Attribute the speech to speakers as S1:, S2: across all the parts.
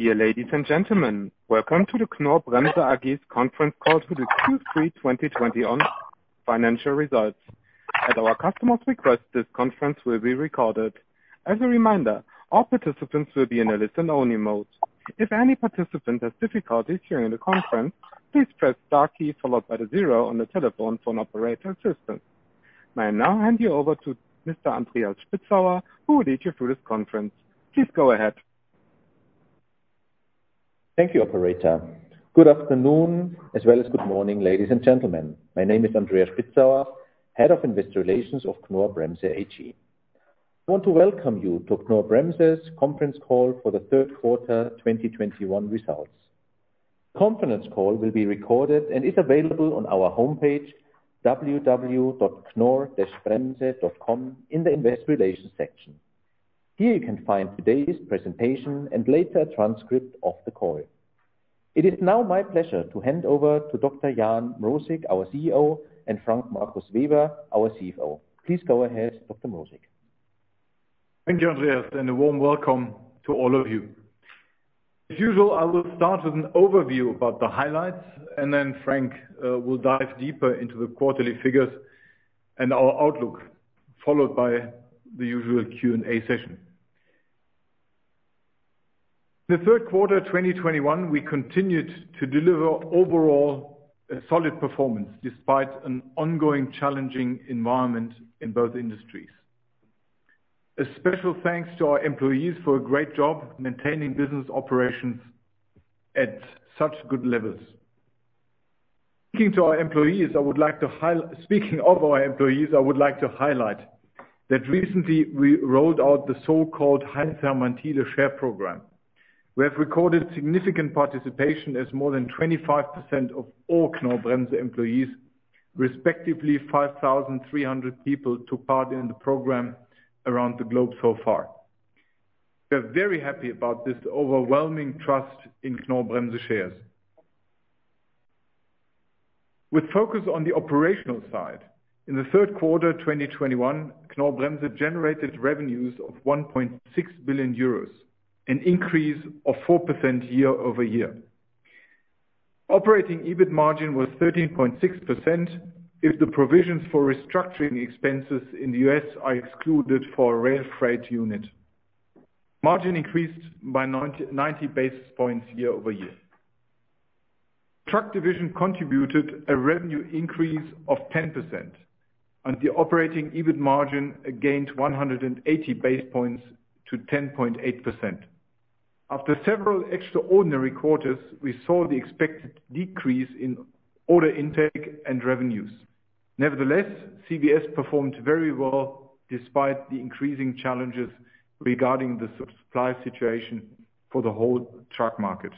S1: Dear ladies and gentlemen, welcome to the Knorr-Bremse AG's conference call for the Q3 2020 on financial results. At our customer's request, this conference will be recorded. As a reminder, all participants will be in a listen-only mode. If any participant has difficulty hearing the conference, please press star key followed by the zero on the telephone for an operator assistant. May I now hand you over to Mr. Andreas Spitzauer, who will lead you through this conference. Please go ahead.
S2: Thank you, operator. Good afternoon, as well as good morning, ladies and gentlemen. My name is Andreas Spitzauer, Head of Investor Relations of Knorr-Bremse AG. I want to welcome you to Knorr-Bremse's conference call for the third quarter 2021 results. Conference call will be recorded and is available on our homepage, www.knorr-bremse.com in the Investor Relations section. Here you can find today's presentation and later transcript of the call. It is now my pleasure to hand over to Dr. Jan Mrosik, our CEO, and Frank Markus Weber, our CFO. Please go ahead, Dr. Mrosik.
S3: Thank you, Andreas, and a warm welcome to all of you. As usual, I will start with an overview about the highlights, and then Frank will dive deeper into the quarterly figures and our outlook, followed by the usual Q&A session. The third quarter, 2021, we continued to deliver overall a solid performance despite an ongoing challenging environment in both industries. A special thanks to our employees for a great job maintaining business operations at such good levels. Speaking of our employees, I would like to highlight that recently we rolled out the so-called Heinz Hermann Thiele share program. We have recorded significant participation as more than 25% of all Knorr-Bremse employees, respectively 5,300 people, took part in the program around the globe so far. We're very happy about this overwhelming trust in Knorr-Bremse shares. With focus on the operational side, in the third quarter, 2021, Knorr-Bremse generated revenues of 1.6 billion euros, an increase of 4% year-over-year. Operating EBIT margin was 13.6% if the provisions for restructuring expenses in the U.S. are excluded for our rail freight unit. Margin increased by 90 basis points year-over-year. Truck division contributed a revenue increase of 10%, and the operating EBIT margin gained 180 basis points to 10.8%. After several extraordinary quarters, we saw the expected decrease in order intake and revenues. Nevertheless, CVS performed very well despite the increasing challenges regarding the supply situation for the whole truck market.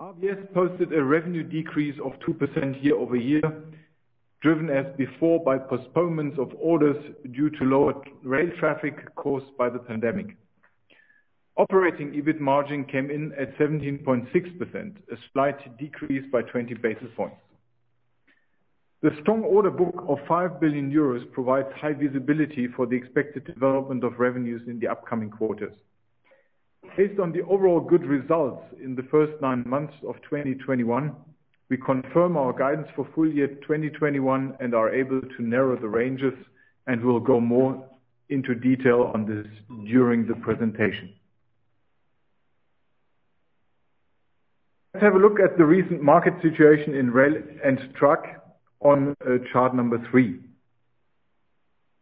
S3: RVS posted a revenue decrease of 2% year-over-year, driven as before by postponements of orders due to lower rail traffic caused by the pandemic. Operating EBIT margin came in at 17.6%, a slight decrease by 20 basis points. The strong order book of 5 billion euros provides high visibility for the expected development of revenues in the upcoming quarters. Based on the overall good results in the first nine months of 2021, we confirm our guidance for full year 2021 and are able to narrow the ranges, and we'll go more into detail on this during the presentation. Let's have a look at the recent market situation in rail and truck on chart number three.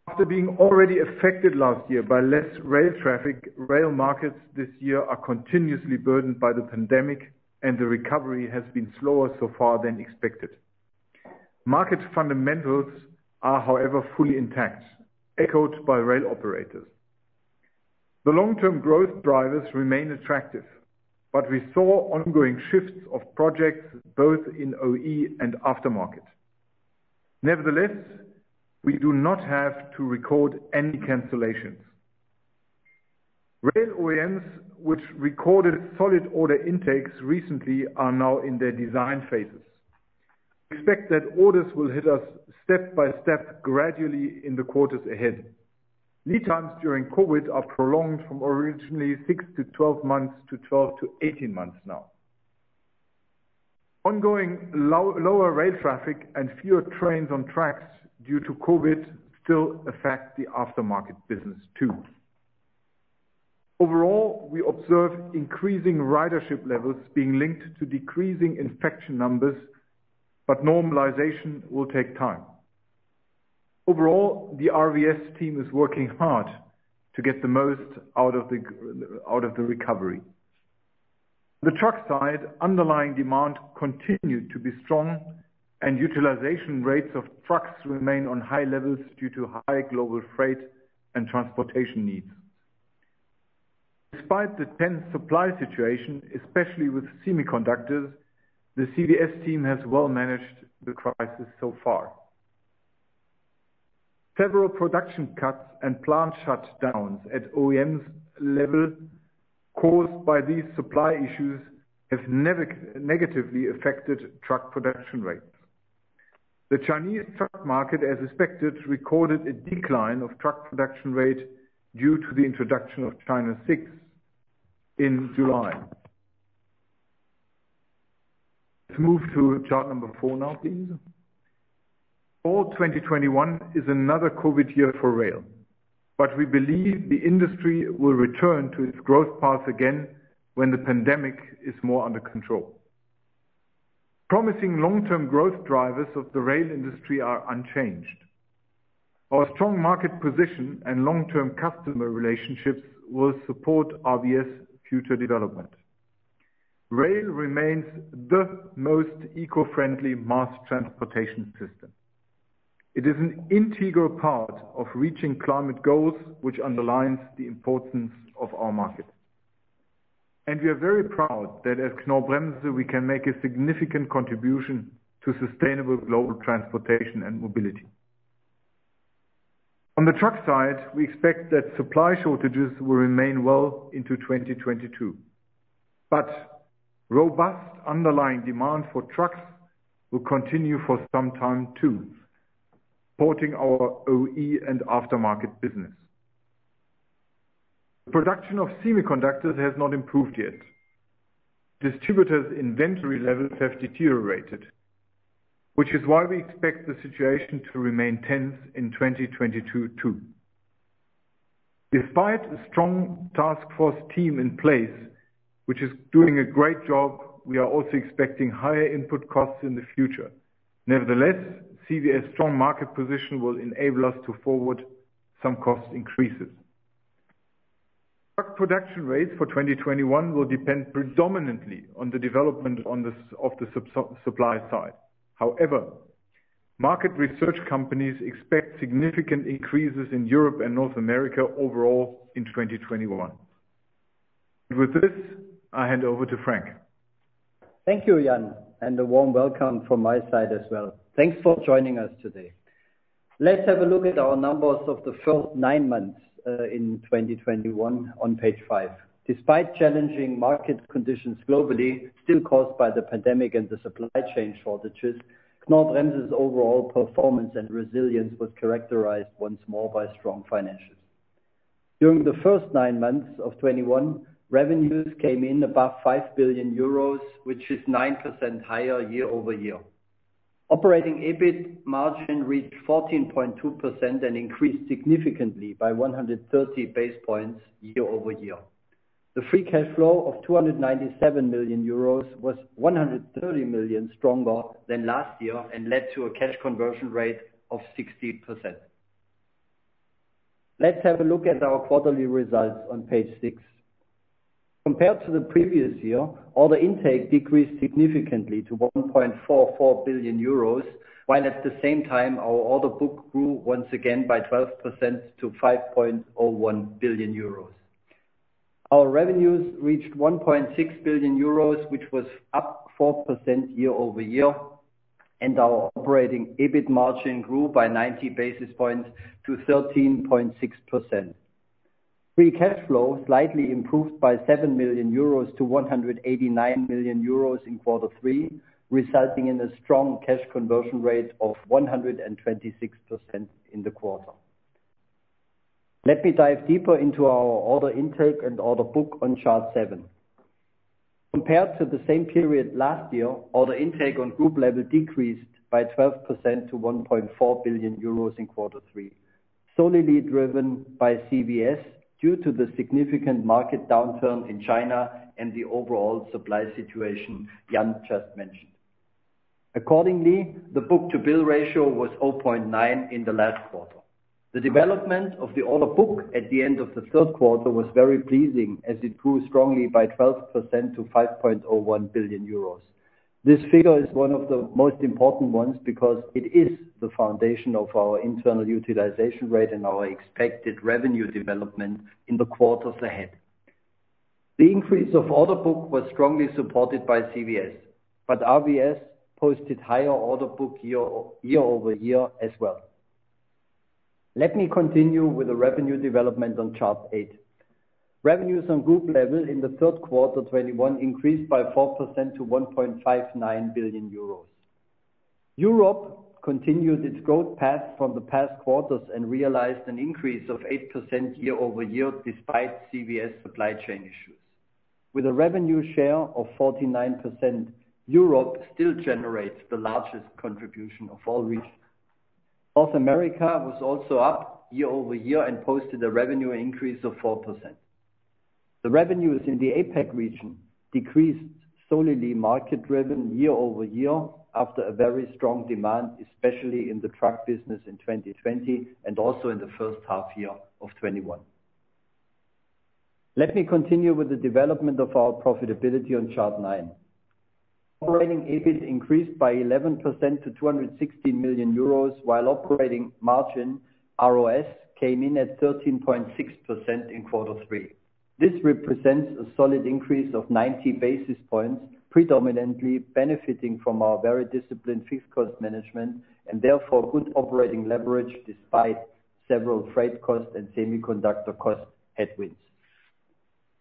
S3: After being already affected last year by less rail traffic, rail markets this year are continuously burdened by the pandemic, and the recovery has been slower so far than expected. Market fundamentals are, however, fully intact, echoed by rail operators. The long-term growth drivers remain attractive, but we saw ongoing shifts of projects both in OE and aftermarket. Nevertheless, we do not have to record any cancellations. Rail OEMs, which recorded solid order intakes recently, are now in their design phases. Expect that orders will hit us step by step gradually in the quarters ahead. Lead times during COVID are prolonged from originally six to 12 months to 12-18 months now. Ongoing lower rail traffic and fewer trains on tracks due to COVID still affect the aftermarket business too. Overall, we observe increasing ridership levels being linked to decreasing infection numbers, but normalization will take time. Overall, the RVS team is working hard to get the most out of the recovery. The truck side underlying demand continued to be strong, and utilization rates of trucks remain on high levels due to high global freight and transportation needs. Despite the tense supply situation, especially with semiconductors, the CVS team has well managed the crisis so far. Several production cuts and plant shutdowns at OEMs level caused by these supply issues have negatively affected truck production rates. The Chinese truck market, as expected, recorded a decline of truck production rate due to the introduction of China VI in July. Let's move to chart number four now, please. 2021 is another COVID year for rail, but we believe the industry will return to its growth path again when the pandemic is more under control. Promising long-term growth drivers of the rail industry are unchanged. Our strong market position and long-term customer relationships will support our RVS future development. Rail remains the most eco-friendly mass transportation system. It is an integral part of reaching climate goals, which underlines the importance of our market. We are very proud that at Knorr-Bremse, we can make a significant contribution to sustainable global transportation and mobility. On the truck side, we expect that supply shortages will remain well into 2022, but robust underlying demand for trucks will continue for some time, too, supporting our OE and aftermarket business. Production of semiconductors has not improved yet. Distributors' inventory levels have deteriorated, which is why we expect the situation to remain tense in 2022, too. Despite a strong task force team in place, which is doing a great job, we are also expecting higher input costs in the future. Nevertheless, CVS' strong market position will enable us to forward some cost increases. Our production rates for 2021 will depend predominantly on the development on the supply side. However, market research companies expect significant increases in Europe and North America overall in 2021. With this, I hand over to Frank.
S4: Thank you, Jan, and a warm welcome from my side as well. Thanks for joining us today. Let's have a look at our numbers of the first nine months in 2021 on page five. Despite challenging market conditions globally, still caused by the pandemic and the supply chain shortages, Knorr-Bremse's overall performance and resilience was characterized once more by strong financials. During the first nine months of 2021, revenues came in above 5 billion euros, which is 9% higher year-over-year. Operating EBIT margin reached 14.2% and increased significantly by 130 basis points year-over-year. The free cash flow of 297 million euros was 130 million stronger than last year and led to a cash conversion rate of 60%. Let's have a look at our quarterly results on page six. Compared to the previous year, order intake decreased significantly to 1.44 billion euros, while at the same time, our order book grew once again by 12% to 5.01 billion euros. Our revenues reached 1.6 billion euros, which was up 4% year-over-year, and our operating EBIT margin grew by 90 basis points to 13.6%. Free cash flow slightly improved by 7 million euros to 189 million euros in quarter three, resulting in a strong cash conversion rate of 126% in the quarter. Let me dive deeper into our order intake and order book on chart seven. Compared to the same period last year, order intake on group level decreased by 12% to 1.4 billion euros in quarter three, solely driven by CVS due to the significant market downturn in China and the overall supply situation Jan just mentioned. Accordingly, the book-to-bill ratio was 0.9 in the last quarter. The development of the order book at the end of the third quarter was very pleasing as it grew strongly by 12% to 5.01 billion euros. This figure is one of the most important ones because it is the foundation of our internal utilization rate and our expected revenue development in the quarters ahead. The increase of order book was strongly supported by CVS, but RVS posted higher order book year-over-year as well. Let me continue with the revenue development on chart eight. Revenues on group level in the third quarter 2021 increased by 4% to 1.59 billion euros. Europe continued its growth path from the past quarters and realized an increase of 8% year-over-year, despite CVS supply chain issues. With a revenue share of 49%, Europe still generates the largest contribution of all regions. North America was also up year-over-year and posted a revenue increase of 4%. The revenues in the APAC region decreased solely market-driven year-over-year after a very strong demand, especially in the truck business in 2020 and also in the first half year of 2021. Let me continue with the development of our profitability on chart nine. Operating EBIT increased by 11% to 260 million euros while operating margin, ROS, came in at 13.6% in quarter three. This represents a solid increase of 90 basis points, predominantly benefiting from our very disciplined fixed cost management and therefore good operating leverage despite severe freight costs and semiconductor cost headwinds.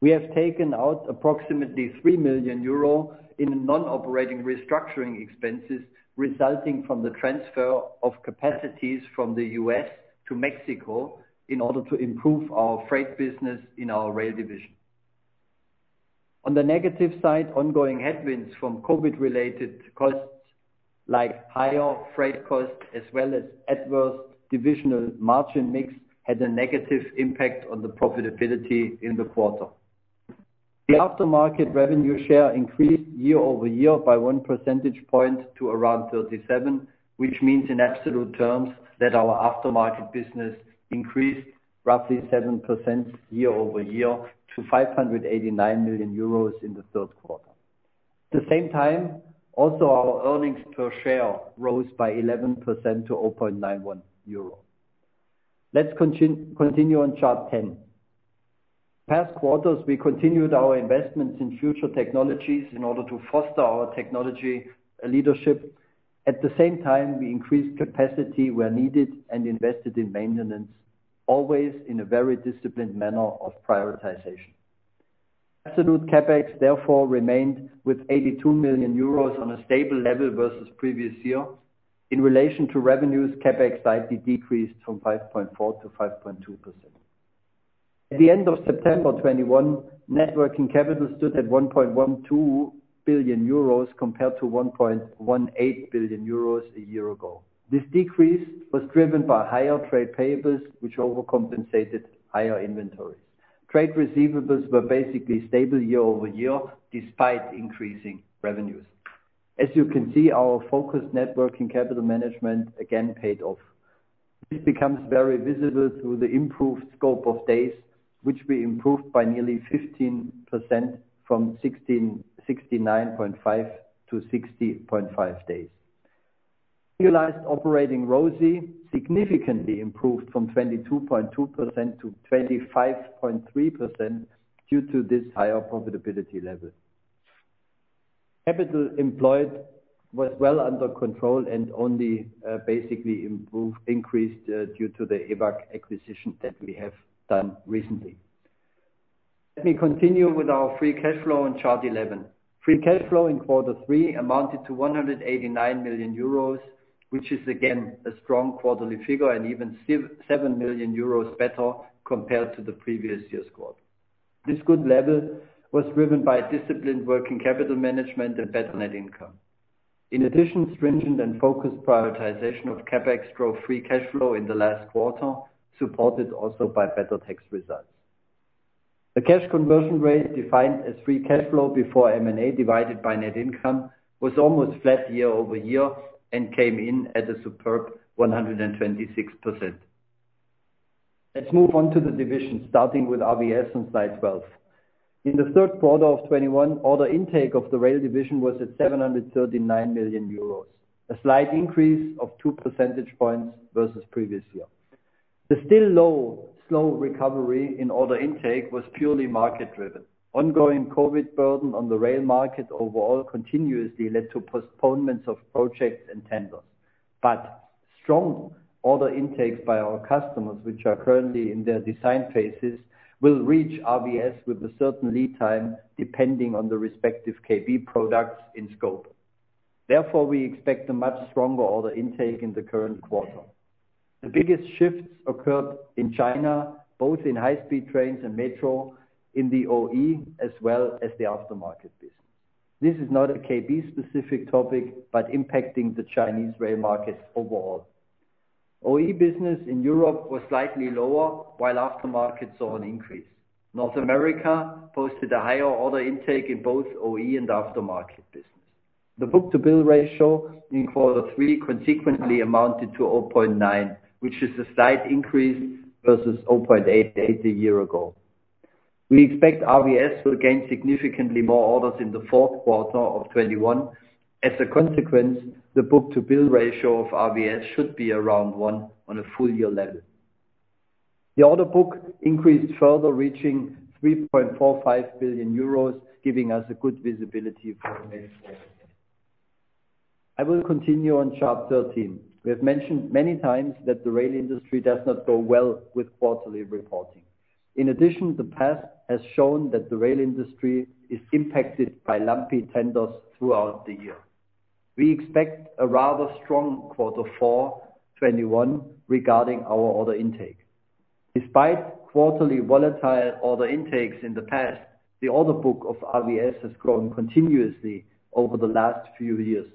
S4: We have taken out approximately 3 million euro in non-operating restructuring expenses resulting from the transfer of capacities from the U.S. to Mexico in order to improve our freight business in our rail division. On the negative side, ongoing headwinds from COVID related costs like higher freight costs as well as adverse divisional margin mix had a negative impact on the profitability in the quarter. The aftermarket revenue share increased year-over-year by 1 percentage point to around 37, which means in absolute terms that our aftermarket business increased roughly 7% year-over-year to 589 million euros in the third quarter. At the same time, also our earnings per share rose by 11% to 0.91 euro. Let's continue on chart 10. In past quarters, we continued our investments in future technologies in order to foster our technology leadership. At the same time, we increased capacity where needed and invested in maintenance, always in a very disciplined manner of prioritization. Absolute CapEx therefore remained with 82 million euros on a stable level versus previous year. In relation to revenues, CapEx slightly decreased from 5.4% to 5.2%. At the end of September 2021, net working capital stood at 1.12 billion euros compared to 1.18 billion euros a year ago. This decrease was driven by higher trade payables which overcompensated higher inventories. Trade receivables were basically stable year-over-year despite increasing revenues. As you can see, our focused net working capital management again paid off. This becomes very visible through the improved scope of days, which we improved by nearly 15% from 69.5-60.5 days. Realized operating ROCE significantly improved from 22.2% to 25.3% due to this higher profitability level. Capital employed was well under control and only basically increased due to the Evac acquisition that we have done recently. Let me continue with our free cash flow on chart 11. Free cash flow in quarter three amounted to 189 million euros, which is again a strong quarterly figure and even 7 million euros better compared to the previous year's quarter. This good level was driven by disciplined working capital management and better net income. In addition, stringent and focused prioritization of CapEx drove free cash flow in the last quarter, supported also by better tax results. The cash conversion rate, defined as free cash flow before M&A divided by net income, was almost flat year-over-year and came in at a superb 126%. Let's move on to the division, starting with RVS on slide 12. In the third quarter of 2021, order intake of the rail division was at 739 million euros, a slight increase of 2 percentage points versus previous year. The still low, slow recovery in order intake was purely market driven. Ongoing COVID burden on the rail market overall continuously led to postponements of projects and tenders. Strong order intakes by our customers, which are currently in their design phases, will reach RVS with a certain lead time, depending on the respective KB products in scope. Therefore, we expect a much stronger order intake in the current quarter. The biggest shifts occurred in China, both in high speed trains and metro, in the OE as well as the aftermarket business. This is not a KB specific topic, but impacting the Chinese rail markets overall. OE business in Europe was slightly lower while aftermarket saw an increase. North America posted a higher order intake in both OE and aftermarket business. The book-to-bill ratio in quarter three consequently amounted to 0.9, which is a slight increase versus 0.88 a year ago. We expect RVS will gain significantly more orders in the fourth quarter of 2021. As a consequence, the book-to-bill ratio of RVS should be around 1 on a full year level. The order book increased further, reaching 3.45 billion euros, giving us a good visibility for next year. I will continue on chart 13. We have mentioned many times that the rail industry does not go well with quarterly reporting. In addition, the past has shown that the rail industry is impacted by lumpy tenders throughout the year. We expect a rather strong quarter four 2021 regarding our order intake. Despite quarterly volatile order intakes in the past, the order book of RVS has grown continuously over the last few years.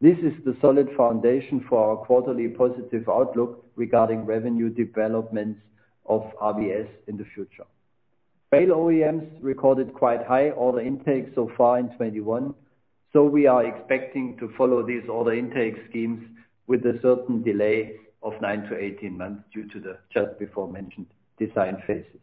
S4: This is the solid foundation for our quarterly positive outlook regarding revenue developments of RVS in the future. Rail OEMs recorded quite high order intake so far in 2021, so we are expecting to follow these order intake schemes with a certain delay of nine to 18 months due to the just aforementioned design phases.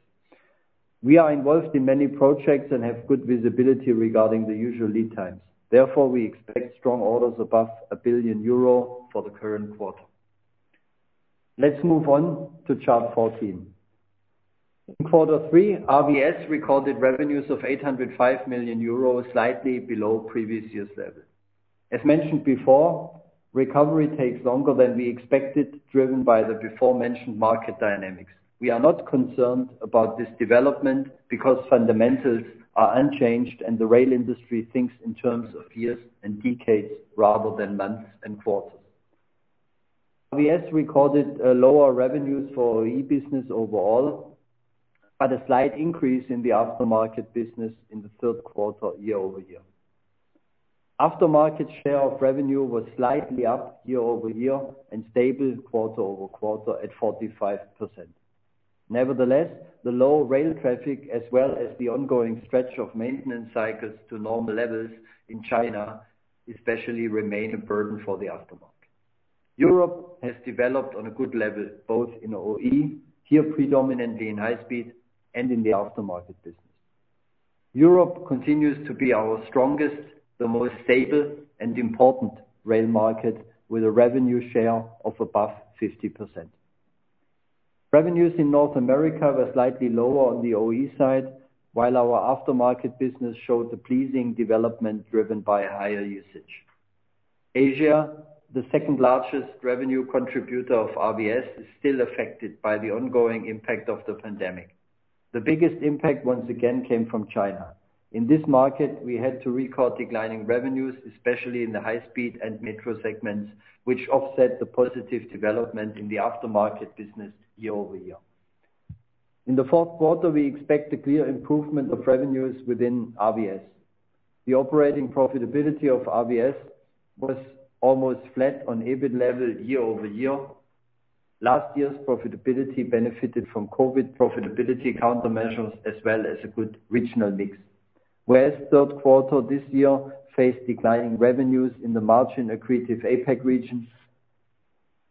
S4: We are involved in many projects and have good visibility regarding the usual lead times. Therefore, we expect strong orders above 1 billion euro for the current quarter. Let's move on to chart 14. In quarter three, RVS recorded revenues of 805 million euros, slightly below previous year's level. As mentioned before, recovery takes longer than we expected, driven by the aforementioned market dynamics. We are not concerned about this development because fundamentals are unchanged and the rail industry thinks in terms of years and decades rather than months and quarters. RVS recorded lower revenues for the business overall, but a slight increase in the aftermarket business in the third quarter, year-over-year. Aftermarket share of revenue was slightly up year-over-year and stable quarter-over-quarter at 45%. Nevertheless, the low rail traffic as well as the ongoing stretch of maintenance cycles to normal levels in China especially remain a burden for the aftermarket. Europe has developed on a good level, both in OE, here predominantly in high-speed and in the aftermarket business. Europe continues to be our strongest, the most stable and important rail market with a revenue share of above 50%. Revenues in North America were slightly lower on the OE side, while our aftermarket business showed a pleasing development driven by higher usage. Asia, the second-largest revenue contributor of RVS, is still affected by the ongoing impact of the pandemic. The biggest impact, once again, came from China. In this market, we had to record declining revenues, especially in the high-speed and metro segments, which offset the positive development in the aftermarket business year-over-year. In the fourth quarter, we expect a clear improvement of revenues within RVS. The operating profitability of RVS was almost flat on EBIT level year-over-year. Last year's profitability benefited from COVID profitability countermeasures as well as a good regional mix. Whereas third quarter this year faced declining revenues in the margin-accretive APAC regions.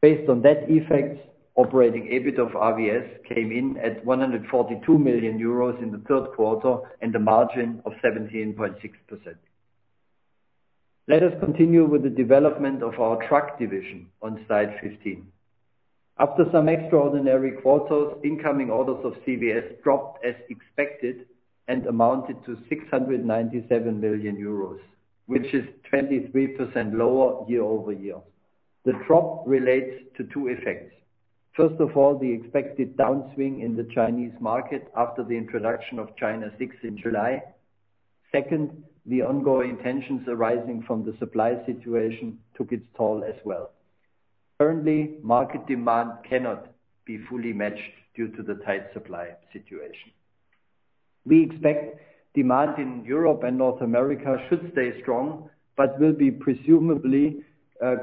S4: Based on that effect, operating EBIT of RVS came in at 142 million euros in the third quarter and a margin of 17.6%. Let us continue with the development of our truck division on slide 15. After some extraordinary quarters, incoming orders of CVS dropped as expected and amounted to 697 million euros, which is 23% lower year-over-year. The drop relates to two effects. First of all, the expected downswing in the Chinese market after the introduction of China VI in July. Second, the ongoing tensions arising from the supply situation took its toll as well. Currently, market demand cannot be fully matched due to the tight supply situation. We expect demand in Europe and North America should stay strong, but will be presumably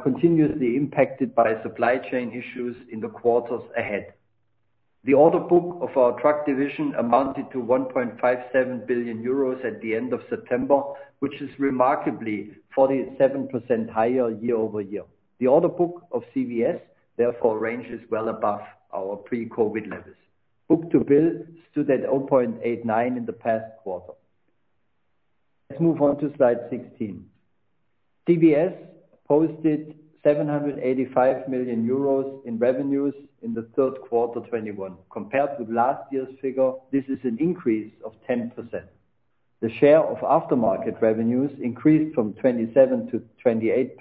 S4: continuously impacted by supply chain issues in the quarters ahead. The order book of our truck division amounted to 1.57 billion euros at the end of September, which is remarkably 47% higher year-over-year. The order book of CVS therefore ranges well above our pre-COVID levels. Book-to-bill stood at 0.89 in the past quarter. Let's move on to slide 16. CVS posted 785 million euros in revenues in the third quarter 2021. Compared with last year's figure, this is an increase of 10%. The share of aftermarket revenues increased from 27% to 28%,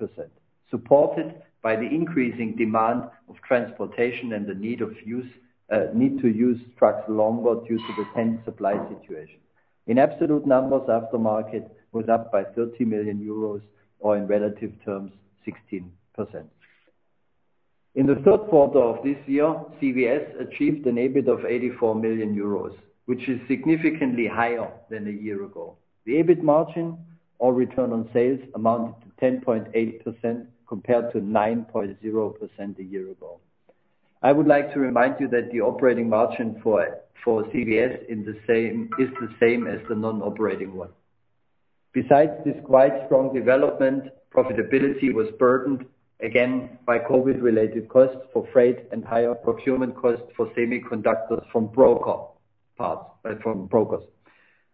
S4: supported by the increasing demand of transportation and the need to use trucks longer due to the tense supply situation. In absolute numbers, aftermarket was up by 30 million euros or in relative terms, 16%. In the third quarter of this year, CVS achieved an EBIT of 84 million euros, which is significantly higher than a year ago. The EBIT margin or return on sales amounted to 10.8% compared to 9.0% a year ago. I would like to remind you that the operating margin for CVS is the same as the non-operating one. Besides this quite strong development, profitability was burdened again by COVID-related costs for freight and higher procurement costs for semiconductors from brokers.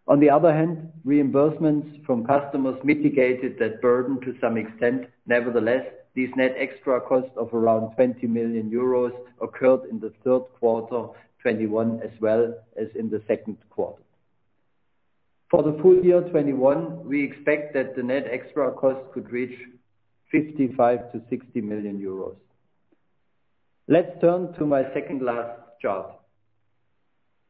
S4: On the other hand, reimbursements from customers mitigated that burden to some extent. Nevertheless, these net extra costs of around 20 million euros occurred in the third quarter 2021, as well as in the second quarter. For the full year 2021, we expect that the net extra cost could reach 55 million-60 million euros. Let's turn to my second last chart.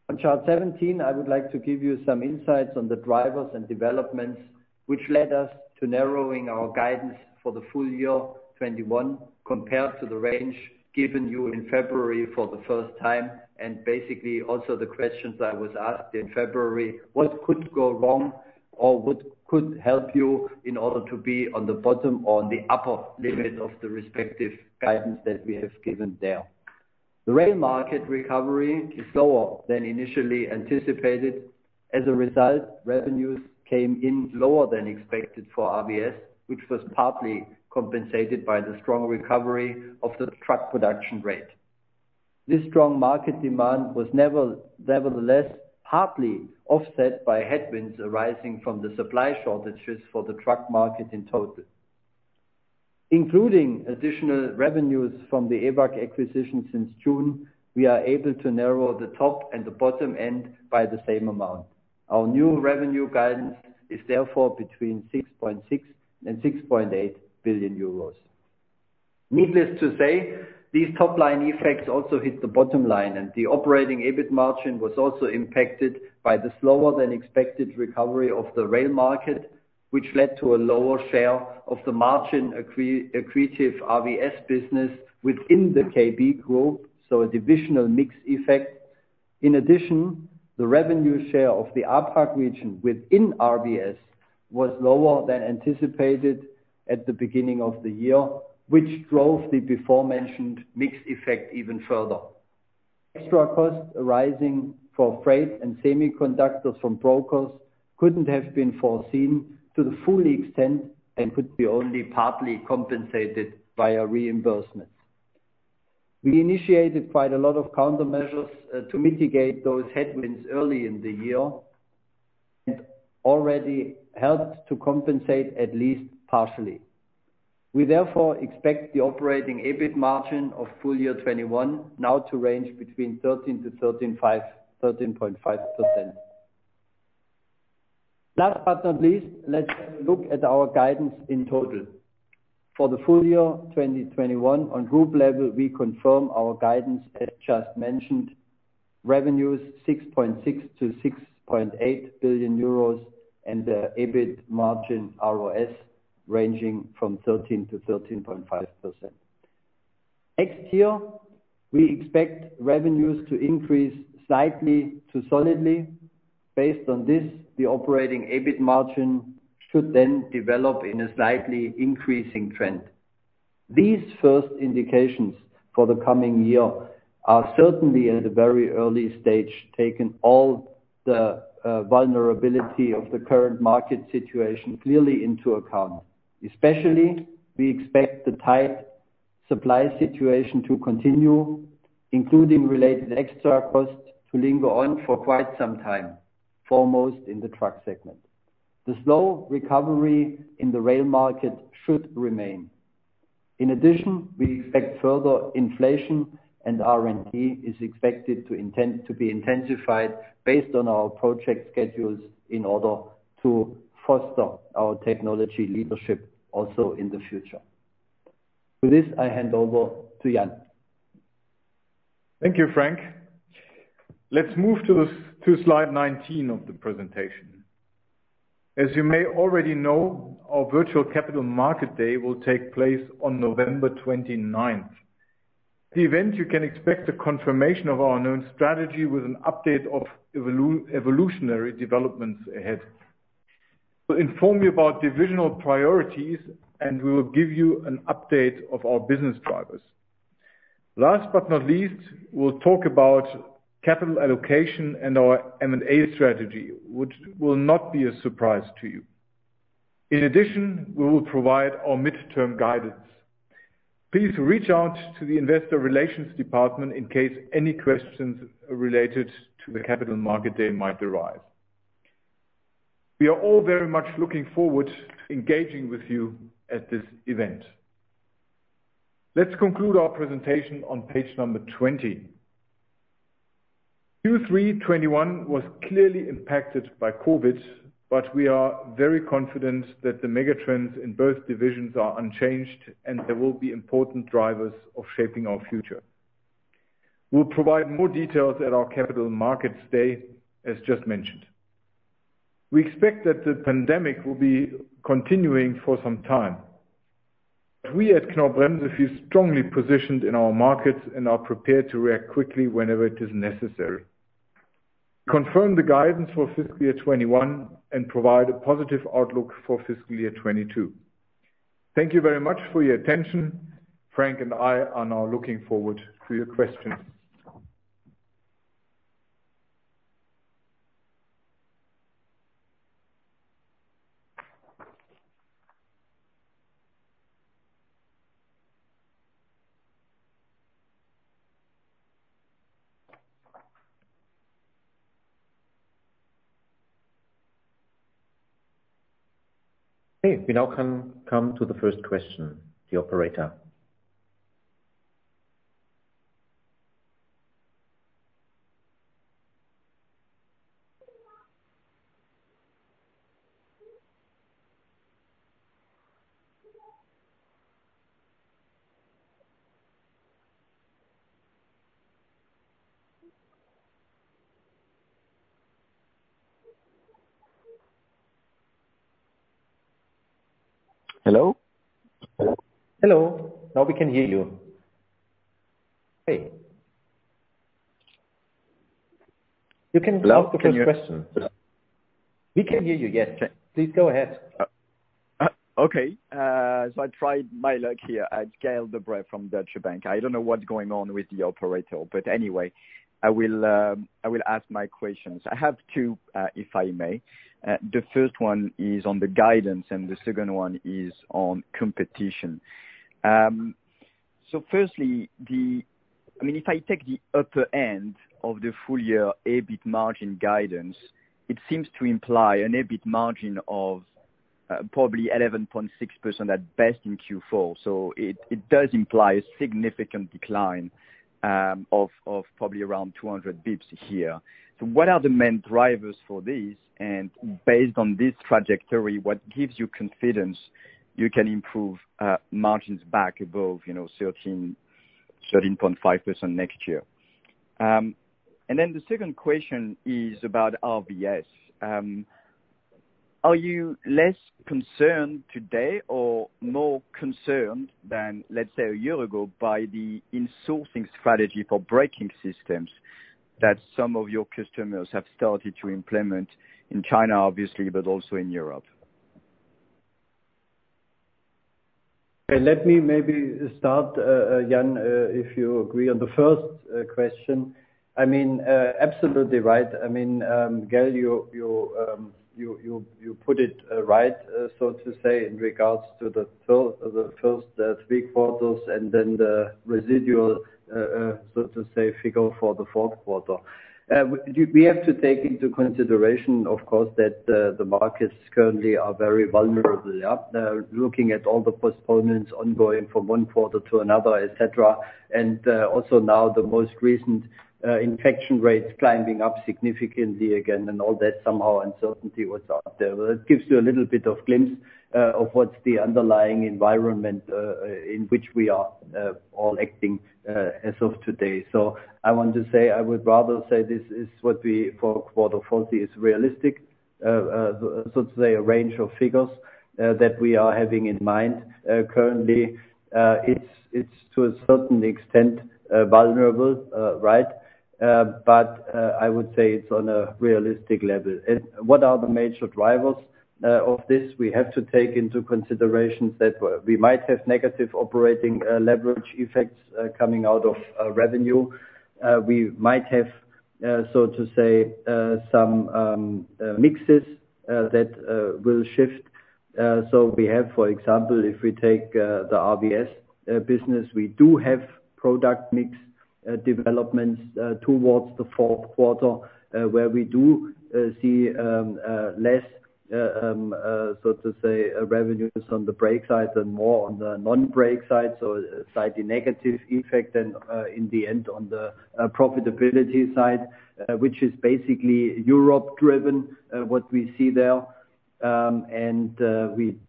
S4: On chart 17, I would like to give you some insights on the drivers and developments which led us to narrowing our guidance for the full year 2021 compared to the range given you in February for the first time, and basically also the questions I was asked in February, what could go wrong or what could help you in order to be on the bottom or on the upper limit of the respective guidance that we have given there? The rail market recovery is lower than initially anticipated. As a result, revenues came in lower than expected for RVS, which was partly compensated by the strong recovery of the truck production rate. This strong market demand was nevertheless partly offset by headwinds arising from the supply shortages for the truck market in total. Including additional revenues from the EVAC acquisition since June, we are able to narrow the top and the bottom end by the same amount. Our new revenue guidance is therefore between 6.6 billion and 6.8 billion euros. Needless to say, these top line effects also hit the bottom line, and the operating EBIT margin was also impacted by the slower than expected recovery of the rail market, which led to a lower share of the margin-accretive RVS business within the KB group. A divisional mix effect. In addition, the revenue share of the APAC region within RVS was lower than anticipated at the beginning of the year, which drove the aforementioned mix effect even further. Extra costs arising for freight and semiconductors from brokers couldn't have been foreseen to the full extent, and could be only partly compensated via reimbursements. We initiated quite a lot of countermeasures, to mitigate those headwinds early in the year and already helped to compensate at least partially. We therefore expect the operating EBIT margin of full year 2021 now to range between 13%-13.5%. Last but not least, let's have a look at our guidance in total. For the full year 2021, on group level, we confirm our guidance as just mentioned, revenues 6.6 billion-6.8 billion euros and the EBIT margin ROS ranging from 13%-13.5%. Next year, we expect revenues to increase slightly to solidly. Based on this, the operating EBIT margin should then develop in a slightly increasing trend. These first indications for the coming year are certainly at a very early stage, taking all the vulnerability of the current market situation clearly into account. Especially, we expect the tight supply situation to continue, including related extra costs to linger on for quite some time, foremost in the truck segment. The slow recovery in the rail market should remain. In addition, we expect further inflation and R&D is expected to be intensified based on our project schedules in order to foster our technology leadership also in the future. With this, I hand over to Jan.
S3: Thank you, Frank. Let's move to slide 19 of the presentation. As you may already know, our virtual Capital Markets Day will take place on November 29th. At the event you can expect a confirmation of our known strategy with an update of evolutionary developments ahead. We'll inform you about divisional priorities, and we will give you an update of our business drivers. Last but not least, we'll talk about capital allocation and our M&A strategy, which will not be a surprise to you. In addition, we will provide our midterm guidance. Please reach out to the Investor Relations department in case any questions related to the capital market day might arise. We are all very much looking forward to engaging with you at this event. Let's conclude our presentation on page number 20. Q3 2021 was clearly impacted by COVID, but we are very confident that the mega trends in both divisions are unchanged, and there will be important drivers of shaping our future. We'll provide more details at our capital markets day, as just mentioned. We expect that the pandemic will be continuing for some time, but we at Knorr-Bremse feel strongly positioned in our markets and are prepared to react quickly whenever it is necessary. Confirm the guidance for fiscal year 2021, and provide a positive outlook for fiscal year 2022. Thank you very much for your attention. Frank and I are now looking forward to your questions.
S2: Okay. We now can come to the first question. The operator.
S5: Hello?
S3: Hello. Now we can hear you. Hey.
S5: Hello.
S3: Ask the question. We can hear you, yes.
S5: Okay.
S3: Please go ahead.
S5: Okay. I tried my luck here. Gael de-Bray from Deutsche Bank. I don't know what's going on with the operator, but anyway, I will ask my questions. I have two, if I may. The first one is on the guidance and the second one is on competition. Firstly, I mean, if I take the upper end of the full year EBIT margin guidance, it seems to imply an EBIT margin of probably 11.6% at best in Q4. It does imply a significant decline of probably around 200 basis points a year. What are the main drivers for this? Based on this trajectory, what gives you confidence you can improve margins back above, you know, 13.5% next year? The second question is about RVS. Are you less concerned today or more concerned than, let's say, a year ago by the in-sourcing strategy for braking systems that some of your customers have started to implement in China, obviously, but also in Europe?
S4: Let me maybe start, Jan, if you agree, on the first question. I mean, absolutely right. I mean, Gael, you put it right, so to say, in regards to the first three quarters and then the residual, so to say, figure for the fourth quarter. We have to take into consideration, of course, that the markets currently are very vulnerable, yeah. Looking at all the postponements ongoing from one quarter to another, et cetera. Also now the most recent infection rates climbing up significantly again and all that somehow uncertainty what's out there. It gives you a little bit of glimpse of what's the underlying environment in which we are all acting as of today. I want to say, I would rather say this is what we for Q4 is realistic, so to say, a range of figures that we are having in mind. Currently, it's to a certain extent vulnerable, right? I would say it's on a realistic level. What are the major drivers of this? We have to take into consideration that we might have negative operating leverage effects coming out of revenue. We might have, so to say, some mixes that will shift. We have, for example, if we take the RVS business, we do have product mix developments towards the fourth quarter where we do see less, so to say, revenues on the brake side and more on the non-brake side, so slightly negative effect then in the end on the profitability side, which is basically Europe-driven, what we see there.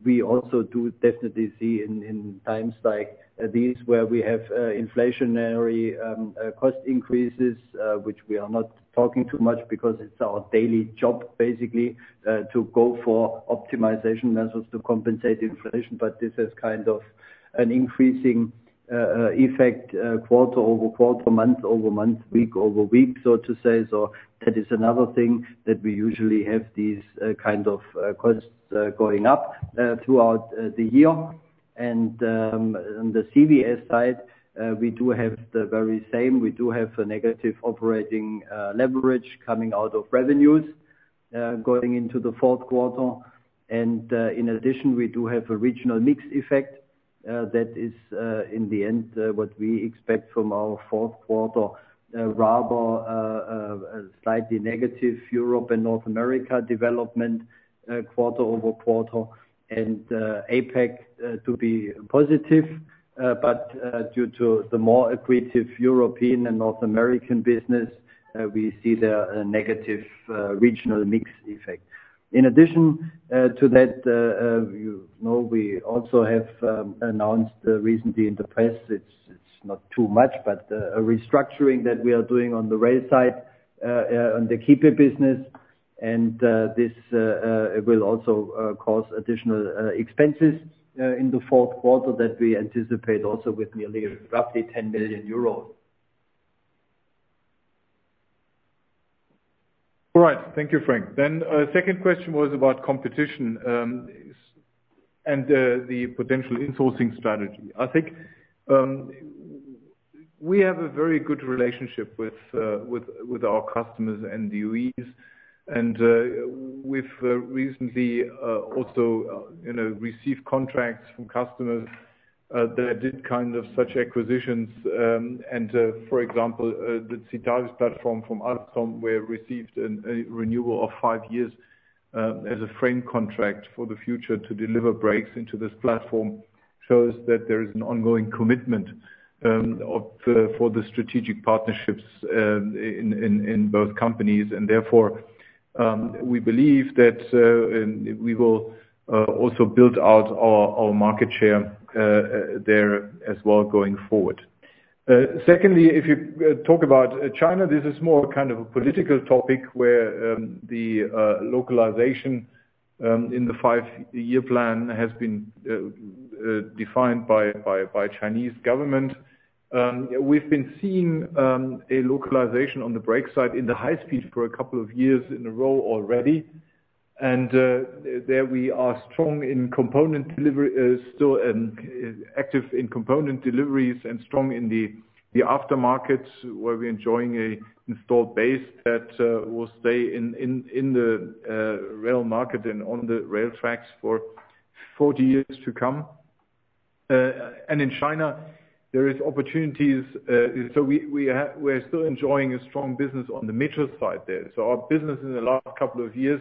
S4: We also definitely see in times like these, where we have inflationary cost increases, which we are not talking too much because it's our daily job, basically, to go for optimization measures to compensate inflation. This is kind of an increasing effect quarter-over-quarter, month-over-month, week-over-week, so to say. That is another thing that we usually have these kind of costs going up throughout the year. On the CVS side, we do have the very same. We do have a negative operating leverage coming out of revenues going into the fourth quarter. In addition, we do have a regional mix effect that is in the end what we expect from our fourth quarter, rather slightly negative Europe and North America development quarter-over-quarter and APAC to be positive. But due to the more aggressive European and North American business, we see the negative regional mix effect. In addition to that, you know, we also have announced recently in the press. It's not too much, but a restructuring that we are doing on the rail side, on the Kiepe business. This will also cause additional expenses in the fourth quarter that we anticipate also with nearly roughly 10 billion euros.
S3: All right. Thank you, Frank. Second question was about competition, and the potential insourcing strategy. I think we have a very good relationship with our customers and OEMs. We've recently also, you know, received contracts from customers that did kind of such acquisitions, and for example, the Citadis platform from Alstom, we received a renewal of five years as a frame contract for the future to deliver brakes into this platform. This shows that there is an ongoing commitment to the strategic partnerships in both companies. Therefore, we believe that we will also build out our market share there as well going forward. Secondly, if you talk about China, this is more kind of a political topic where the localization in the five-year plan has been defined by the Chinese government. We've been seeing a localization on the brake side in the high speed for a couple of years in a row already. There we are strong in component delivery, still active in component deliveries and strong in the aftermarkets, where we're enjoying an installed base that will stay in the rail market and on the rail tracks for 40 years to come. In China there are opportunities. We're still enjoying a strong business on the metro side there. Our business in the last couple of years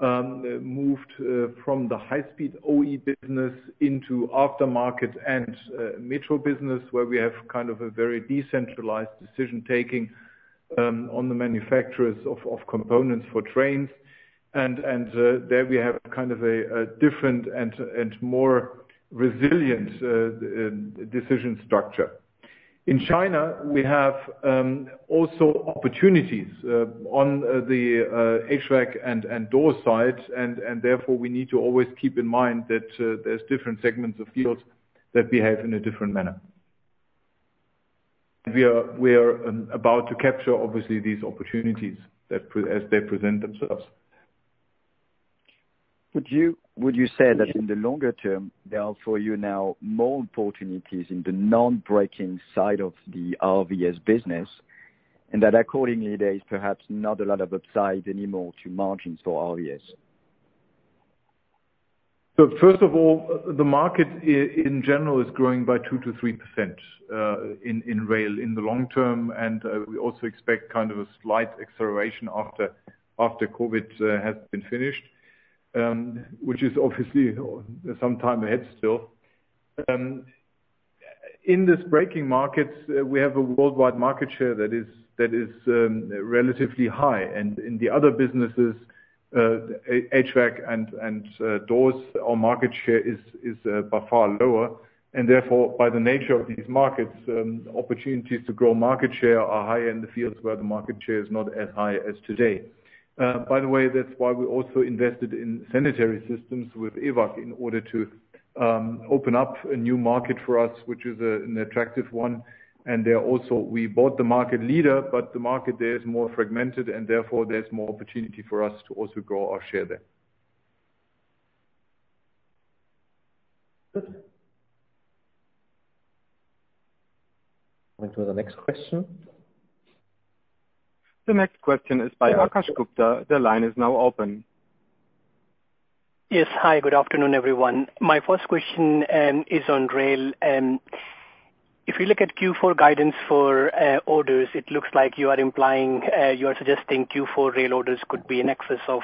S3: moved from the high speed OE business into aftermarket and metro business, where we have kind of a very decentralized decision-taking on the manufacturers of components for trains. There we have kind of a different and more resilient decision structure. In China, we have also opportunities on the HVAC and door sides, and therefore we need to always keep in mind that there's different segments of fields that behave in a different manner. We are about to capture obviously these opportunities as they present themselves.
S5: Would you say that in the longer term, there are for you now more opportunities in the non-breaking side of the RVS business, and that accordingly there is perhaps not a lot of upside anymore to margins for RVS?
S3: First of all, the market in general is growing by 2%-3% in rail in the long term. We also expect kind of a slight acceleration after COVID has been finished, which is obviously some time ahead still. In this braking market, we have a worldwide market share that is relatively high. In the other businesses, HVAC and doors, our market share is by far lower. Therefore, by the nature of these markets, opportunities to grow market share are higher in the fields where the market share is not as high as today. By the way, that's why we also invested in sanitary systems with Evac in order to open up a new market for us, which is an attractive one. There also, we bought the market leader, but the market there is more fragmented and therefore there's more opportunity for us to also grow our share there.
S2: Good. Going to the next question.
S1: The next question is by Akash Gupta. The line is now open.
S6: Yes. Hi, good afternoon, everyone. My first question is on rail, and if you look at Q4 guidance for orders, it looks like you are implying you are suggesting Q4 rail orders could be in excess of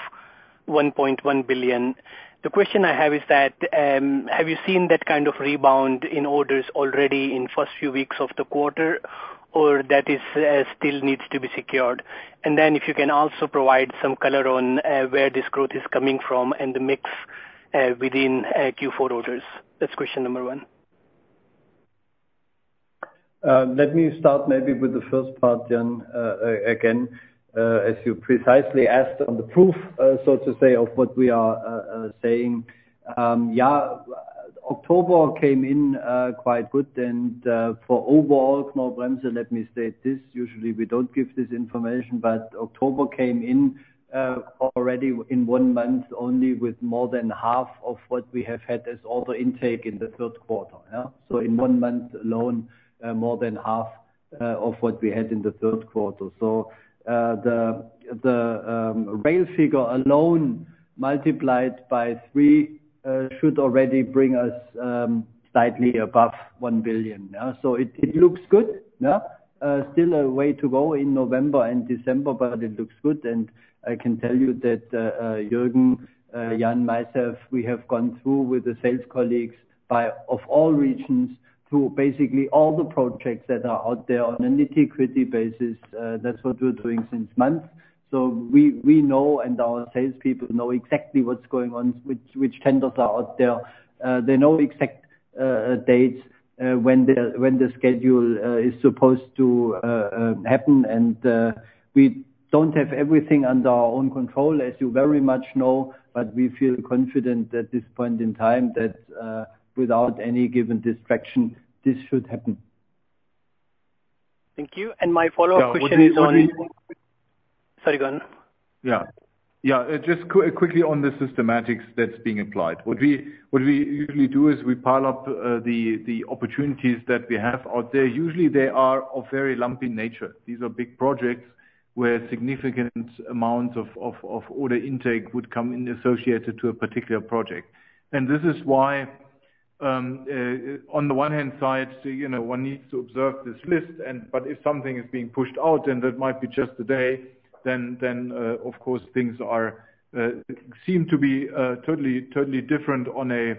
S6: 1.1 billion. The question I have is that have you seen that kind of rebound in orders already in first few weeks of the quarter or that is still needs to be secured? And then if you can also provide some color on where this growth is coming from and the mix within Q4 orders. That's question number one.
S4: Let me start maybe with the first part then, again, as you precisely asked on the proof, so to say of what we are saying. October came in quite good. For overall Knorr-Bremse, let me state this, usually we don't give this information, but October came in already in one month, only with more than half of what we have had as order intake in the third quarter. In one month alone, more than half of what we had in the third quarter. The rail figure alone multiplied by three should already bring us slightly above 1 billion. It looks good. Still a way to go in November and December. It looks good. I can tell you that, Jürgen, Jan, myself, we have gone through with the sales colleagues in all regions through basically all the projects that are out there on a nitty-gritty basis. That's what we're doing for months. We know and our salespeople know exactly what's going on, which tenders are out there. They know exactly the dates when the schedule is supposed to happen. We don't have everything under our own control, as you very much know, but we feel confident at this point in time that, without any given distraction, this should happen.
S6: Thank you. My follow-up question on-
S3: Yeah.
S6: Sorry, go on.
S3: Just quickly on the systematics that's being applied. What we usually do is we pile up the opportunities that we have out there. Usually they are of very lumpy nature. These are big projects where significant amounts of order intake would come in associated to a particular project. This is why, on the one hand side, you know, one needs to observe this list, but if something is being pushed out, and that might be just today, then of course things seem to be totally different on a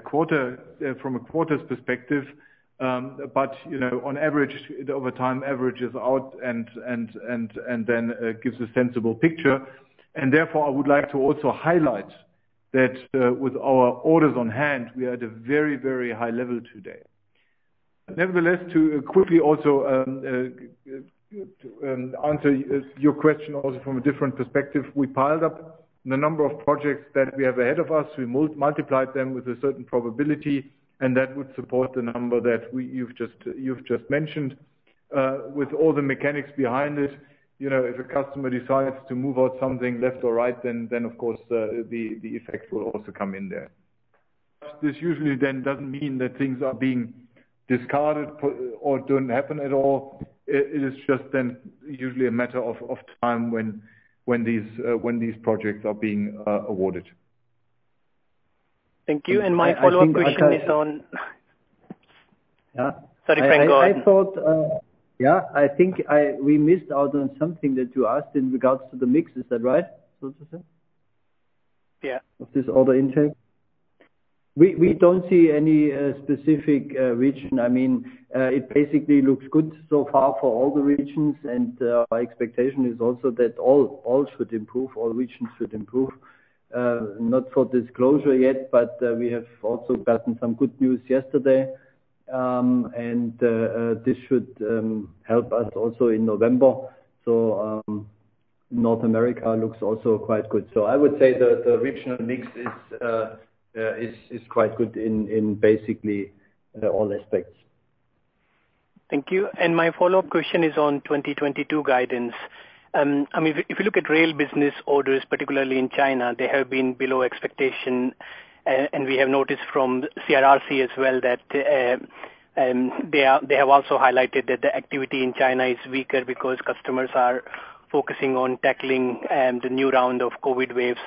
S3: quarter from a quarter's perspective. You know, on average, over time averages out and then gives a sensible picture. Therefore, I would like to also highlight that, with our orders on hand, we are at a very, very high level today. Nevertheless, to quickly also answer your question also from a different perspective, we piled up the number of projects that we have ahead of us. We multiplied them with a certain probability, and that would support the number that you've just mentioned. With all the mechanics behind it, you know, if a customer decides to move out something left or right, then of course, the effect will also come in there. This usually then doesn't mean that things are being discarded or don't happen at all. It is just then usually a matter of time when these projects are being awarded.
S6: Thank you. My follow-up question is on.
S4: Yeah.
S6: Sorry. Go ahead.
S4: I thought, yeah, I think we missed out on something that you asked in regards to the mix. Is that right, so to say?
S6: Yeah.
S4: Of this order intake. We don't see any specific region. I mean, it basically looks good so far for all the regions. Our expectation is also that all should improve, all regions should improve. Not for disclosure yet, but we have also gotten some good news yesterday. This should help us also in November. North America looks also quite good. I would say that the regional mix is quite good in basically all aspects.
S6: Thank you. My follow-up question is on 2022 guidance. I mean, if you look at rail business orders, particularly in China, they have been below expectation. We have noticed from CRRC as well that they have also highlighted that the activity in China is weaker because customers are focusing on tackling the new round of COVID waves.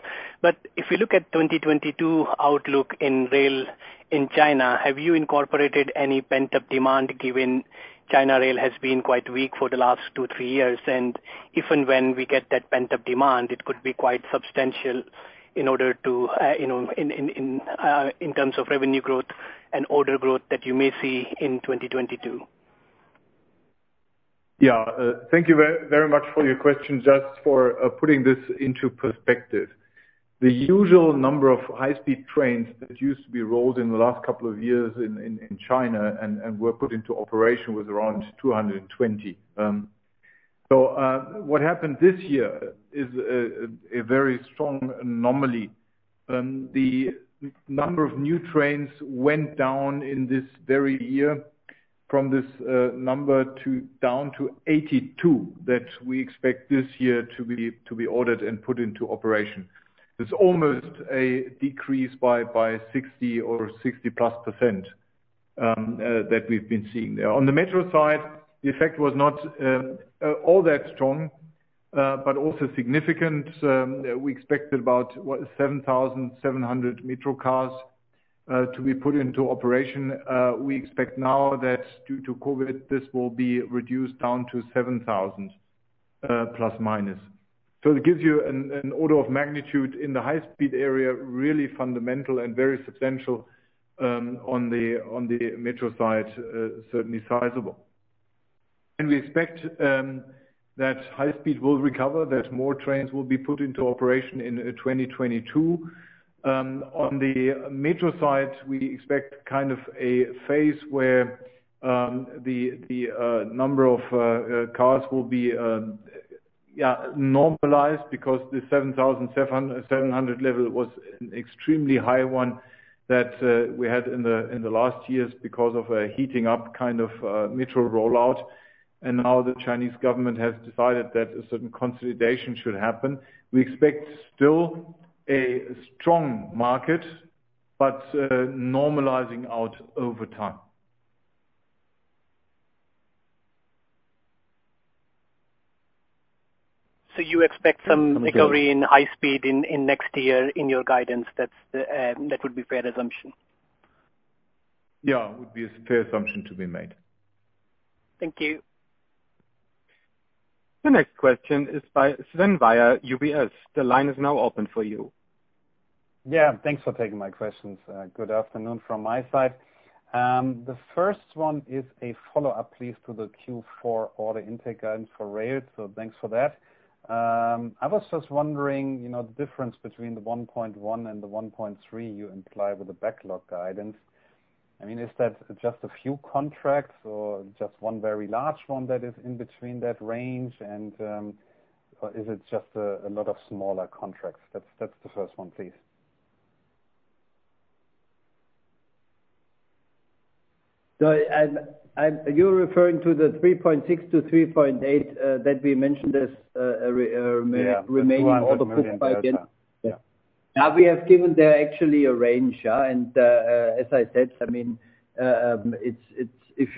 S6: If you look at 2022 outlook in rail in China, have you incorporated any pent-up demand given China rail has been quite weak for the last two, three years? If and when we get that pent-up demand, it could be quite substantial in terms of revenue growth and order growth that you may see in 2022.
S3: Yeah. Thank you very much for your question, just for putting this into perspective. The usual number of high-speed trains that used to be rolled in the last couple of years in China and were put into operation was around 220. What happened this year is a very strong anomaly. The number of new trains went down in this very year from this number to down to 82 that we expect this year to be ordered and put into operation. It's almost a decrease by 60% or 60%+, that we've been seeing there. On the metro side, the effect was not all that strong, but also significant. We expected about 7,700 metro cars to be put into operation. We expect now that due to COVID, this will be reduced down to 7,000 ±. It gives you an order of magnitude in the high speed area, really fundamental and very substantial, on the metro side, certainly sizable. We expect that high speed will recover, that more trains will be put into operation in 2022. On the metro side, we expect kind of a phase where the number of cars will be normalized because the 7,700 level was an extremely high one that we had in the last years because of a heating up kind of metro rollout. Now the Chinese government has decided that a certain consolidation should happen. We expect still a strong market, but normalizing out over time.
S6: You expect some recovery in high speed in next year in your guidance? That would be fair assumption?
S3: Yeah, it would be a fair assumption to be made.
S6: Thank you.
S1: The next question is by Sven Weier, UBS. The line is now open for you.
S7: Yeah, thanks for taking my questions. Good afternoon from my side. The first one is a follow-up, please, to the Q4 order intake guidance for rail. Thanks for that. I was just wondering, you know, the difference between the 1.1 and the 1.3 you imply with the backlog guidance. I mean, is that just a few contracts or just one very large one that is in between that range? Or is it just a lot of smaller contracts? That's the first one, please.
S3: You're referring to the 3.6 billion-3.8 billion that we mentioned as-
S7: Yeah.
S3: Remaining order book pipeline.
S7: Yeah.
S4: Now we have given there actually a range, yeah. As I said, I mean, it's if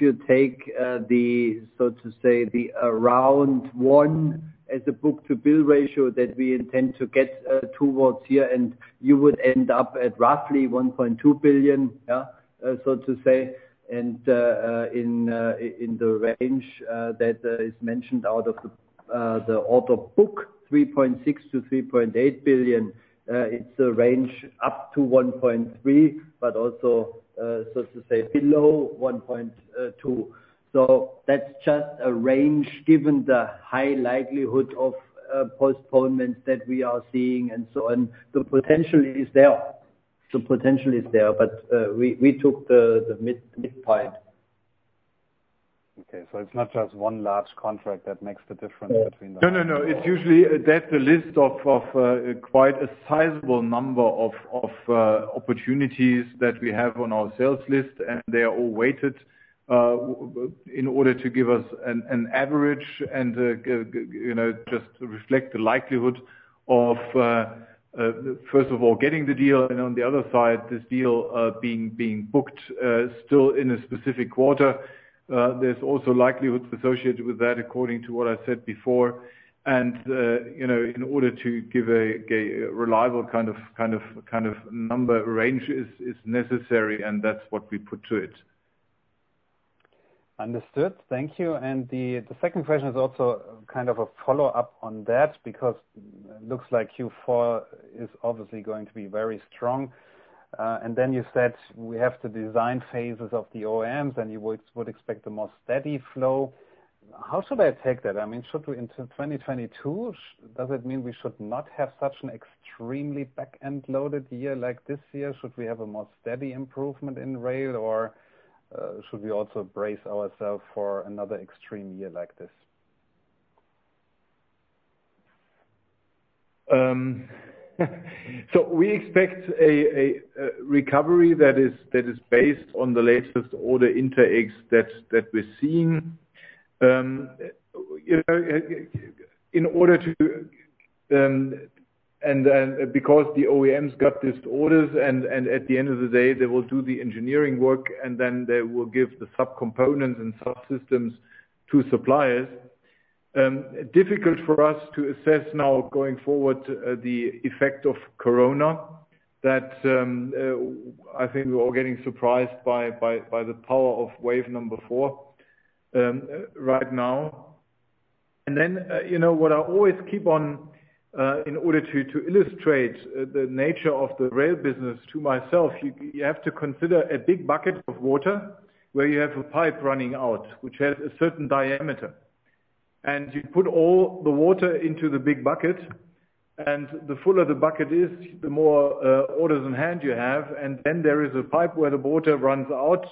S4: you take the so to say around 1 as a book-to-bill ratio that we intend to get towards here, and you would end up at roughly 1.2 billion, yeah, so to say. In the range that is mentioned out of the order book, 3.6 billion-3.8 billion. It's a range up to 1.3 billion, but also so to say below 1.2 billion. That's just a range, given the high likelihood of postponements that we are seeing and so on. The potential is there, but we took the midpoint.
S7: Okay. It's not just one large contract that makes the difference between the-
S3: No, no. It's usually that the list of quite a sizable number of opportunities that we have on our sales list, and they are all weighted in order to give us an average and you know, just reflect the likelihood of first of all getting the deal and on the other side, this deal being booked still in a specific quarter. There's also likelihoods associated with that according to what I said before. You know, in order to give a reliable kind of number range is necessary, and that's what we put to it.
S7: Understood. Thank you. The second question is also kind of a follow-up on that because it looks like Q4 is obviously going to be very strong. Then you said we have the design phases of the OEMs and you would expect a more steady flow. How should I take that? I mean, should we enter 2022? Does it mean we should not have such an extremely back-end loaded year like this year? Should we have a more steady improvement in rail or should we also brace ourselves for another extreme year like this?
S3: We expect a recovery that is based on the latest order intakes that we're seeing. You know, because the OEMs got these orders and at the end of the day, they will do the engineering work and then they will give the subcomponents and subsystems to suppliers, difficult for us to assess now going forward the effect of COVID that I think we're all getting surprised by the power of wave number four right now. You know what I always keep on in order to illustrate the nature of the rail business to myself, you have to consider a big bucket of water where you have a pipe running out which has a certain diameter. You put all the water into the big bucket, and the fuller the bucket is, the more orders in hand you have. Then there is a pipe where the water runs out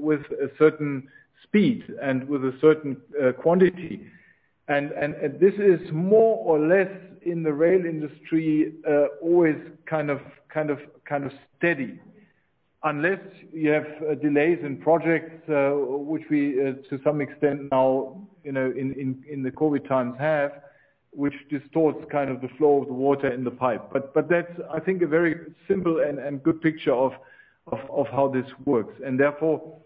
S3: with a certain speed and with a certain quantity. This is more or less in the rail industry always kind of steady. Unless you have delays in projects which we to some extent now, you know, in the COVID times have, which distorts kind of the flow of the water in the pipe. That's, I think, a very simple and good picture of how this works. Therefore,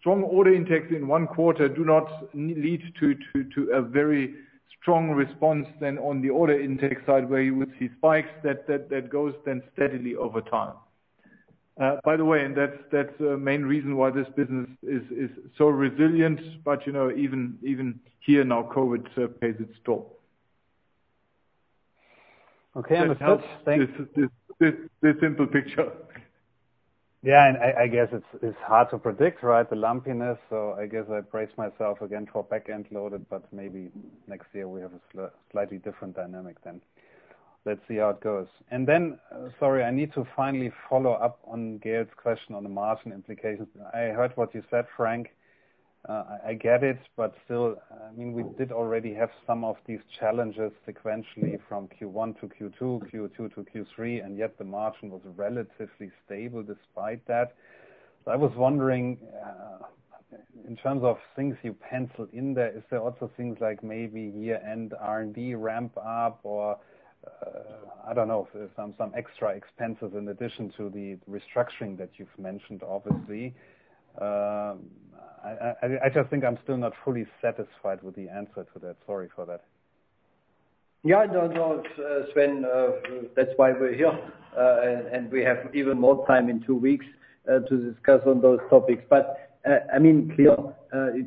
S3: strong order intakes in one quarter do not lead to a very strong response then on the order intake side where you would see spikes that goes then steadily over time. By the way, and that's a main reason why this business is so resilient. You know, even here now, COVID plays its toll.
S7: Okay. Understood. Thanks.
S3: This helps. This simple picture.
S7: Yeah. I guess it's hard to predict, right? The lumpiness. I guess I brace myself again for back-end-loaded, but maybe next year we have a slightly different dynamic then. Let's see how it goes. Sorry, I need to finally follow up on Gael's question on the margin implications. I heard what you said, Frank. I get it, but still, I mean, we did already have some of these challenges sequentially from Q1 to Q2, Q2 to Q3, and yet the margin was relatively stable despite that. I was wondering, in terms of things you penciled in there, is there also things like maybe year-end R&D ramp up or, I don't know, some extra expenses in addition to the restructuring that you've mentioned, obviously? I just think I'm still not fully satisfied with the answer to that. Sorry for that.
S4: Yeah. No, no, Sven, that's why we're here. And we have even more time in two weeks to discuss on those topics. I mean, clear,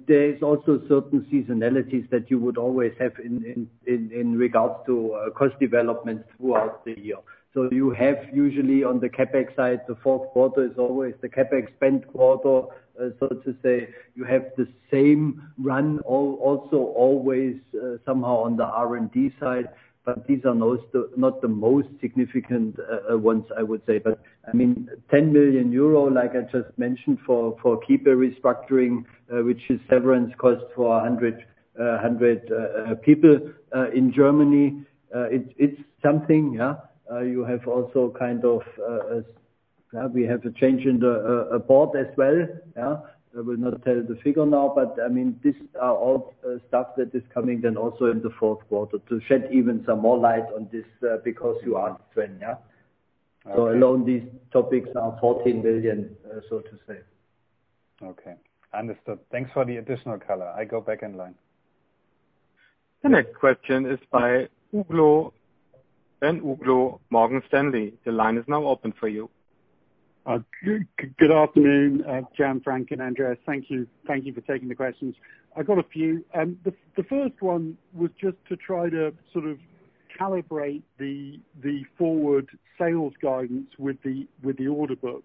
S4: there is also certain seasonalities that you would always have in regards to cost development throughout the year. You have usually on the CapEx side, the fourth quarter is always the CapEx spend quarter, so to say. You have the same run also always somehow on the R&D side, but these are not the most significant ones I would say. I mean, 10 million euro, like I just mentioned for Kiepe restructuring, which is severance costs for 100 people in Germany, it's something, yeah. We have a change in the board as well. I will not tell the figure now, but I mean, this are all stuff that is coming then also in the fourth quarter to shed even some more light on this, because you asked, Sven.
S7: Okay.
S3: Alone, these topics are 14 million, so to say.
S7: Okay. Understood. Thanks for the additional color. I go back in line.
S1: The next question is by Uglow, Ben Uglow, Morgan Stanley. The line is now open for you.
S8: Good afternoon, Jan, Frank, and Andreas. Thank you. Thank you for taking the questions. I've got a few. The first one was just to try to sort of calibrate the forward sales guidance with the order book.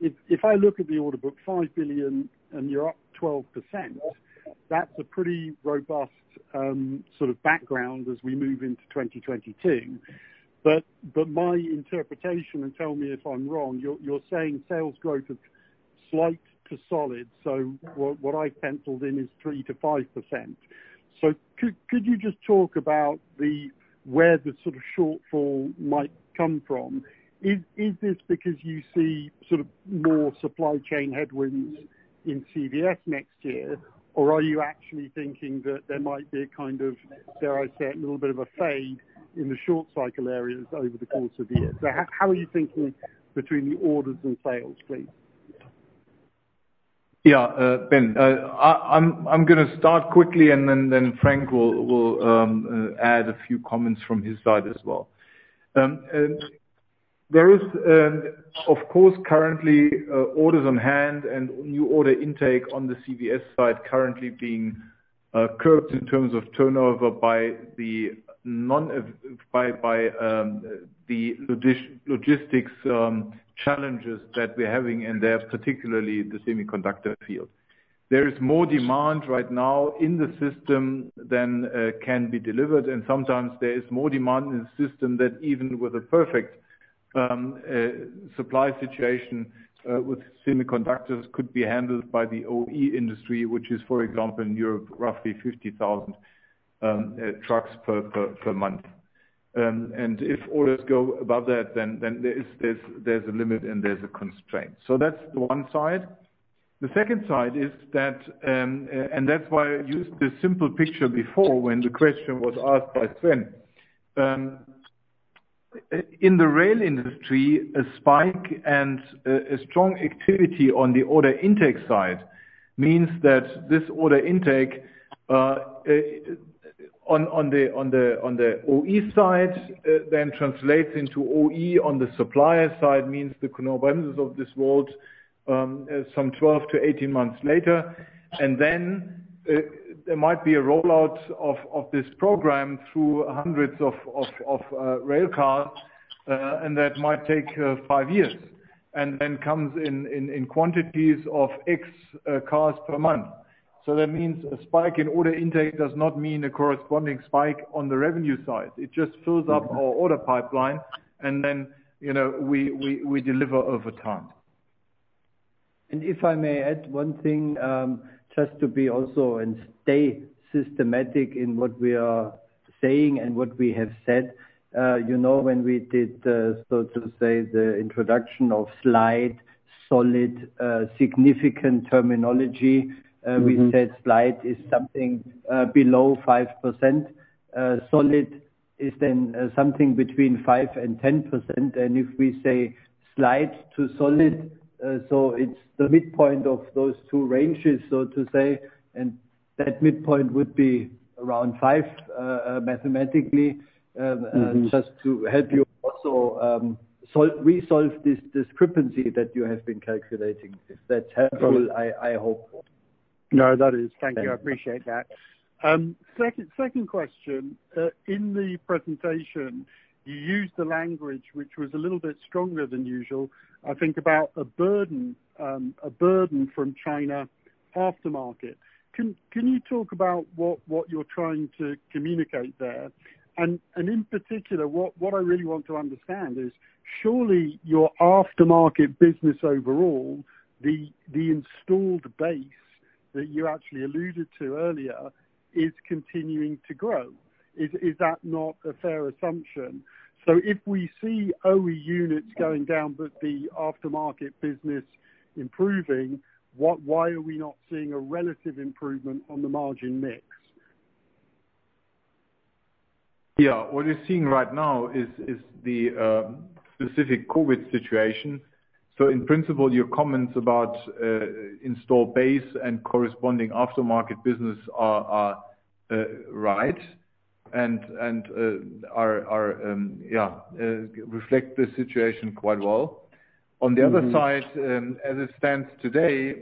S8: If I look at the order book, 5 billion and you're up 12%, that's a pretty robust sort of background as we move into 2022. My interpretation, and tell me if I'm wrong, you're saying sales growth is slight to solid. What I've penciled in is 3%-5%. Could you just talk about the where the sort of shortfall might come from? Is this because you see sort of more supply chain headwinds in CVS next year? Are you actually thinking that there might be a kind of, dare I say, a little bit of a fade in the short cycle areas over the course of the year? How are you thinking between the orders and sales, please?
S3: Yeah. Ben, I'm gonna start quickly and then Frank will add a few comments from his side as well. There is, of course, currently, orders on hand and new order intake on the CVS side currently being curbed in terms of turnover by the non-availability by the logistics challenges that we're having in there, particularly the semiconductor field. There is more demand right now in the system than can be delivered, and sometimes there is more demand in the system than even with a perfect supply situation with semiconductors could be handled by the OE industry, which is, for example, in Europe, roughly 50,000 trucks per month. If orders go above that, then there is a limit and there is a constraint. That's the one side. The second side is that, and that's why I used the simple picture before when the question was asked by Sven. In the rail industry, a spike and a strong activity on the order intake side means that this order intake on the OE side then translates into OE on the supplier side, means the Knorr-Bremse of this world, some 12-18 months later. There might be a rollout of this program through hundreds of rail cars, and that might take five years and then comes in quantities of X cars per month. That means a spike in order intake does not mean a corresponding spike on the revenue side. It just fills up our order pipeline and then, you know, we deliver over time.
S4: If I may add one thing, just to be also and stay systematic in what we are saying and what we have said. You know, when we did so to say the introduction of significant terminology
S8: Mm-hmm.
S4: We said slight is something below 5%. Solid is then something between 5%-10%. If we say slight to solid, so it's the midpoint of those two ranges, so to say. That midpoint would be around 5% mathematically.
S8: Mm-hmm.
S4: Just to help you also resolve this discrepancy that you have been calculating. If that's helpful, I hope.
S8: No, that is. Thank you. I appreciate that. Second question. In the presentation, you used the language which was a little bit stronger than usual, I think about a burden from China aftermarket. Can you talk about what you're trying to communicate there? In particular, what I really want to understand is surely your aftermarket business overall, the installed base that you actually alluded to earlier is continuing to grow. Is that not a fair assumption? If we see OE units going down but the aftermarket business improving, why are we not seeing a relative improvement on the margin mix?
S3: Yeah. What you're seeing right now is the specific COVID situation. In principle, your comments about installed base and corresponding aftermarket business reflect the situation quite well.
S8: Mm-hmm.
S3: On the other side, as it stands today,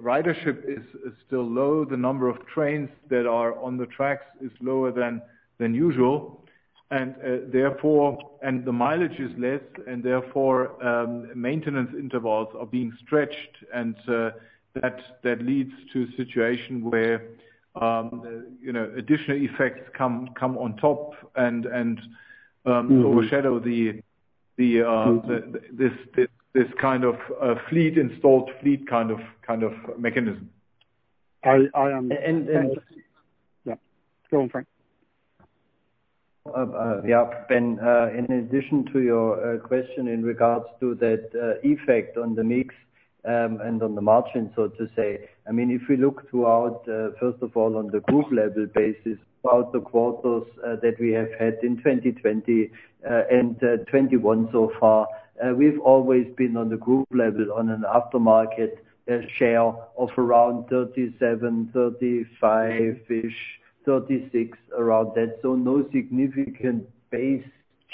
S3: ridership is still low. The number of trains that are on the tracks is lower than usual. The mileage is less, and therefore, maintenance intervals are being stretched. That leads to a situation where you know additional effects come on top and-
S8: Mm-hmm.
S3: overshadow the-
S8: Mm-hmm.
S3: this kind of fleet kind of mechanism.
S8: I
S4: And, and-
S8: Yeah. Go on, Frank.
S4: Yeah. Ben, in addition to your question in regards to that effect on the mix and on the margin, so to say. I mean, if you look throughout, first of all on the group level basis, about the quarters that we have had in 2020 and 2021 so far, we've always been on the group level on an aftermarket share of around 37%, 35%-ish, 36%, around that. So no significant base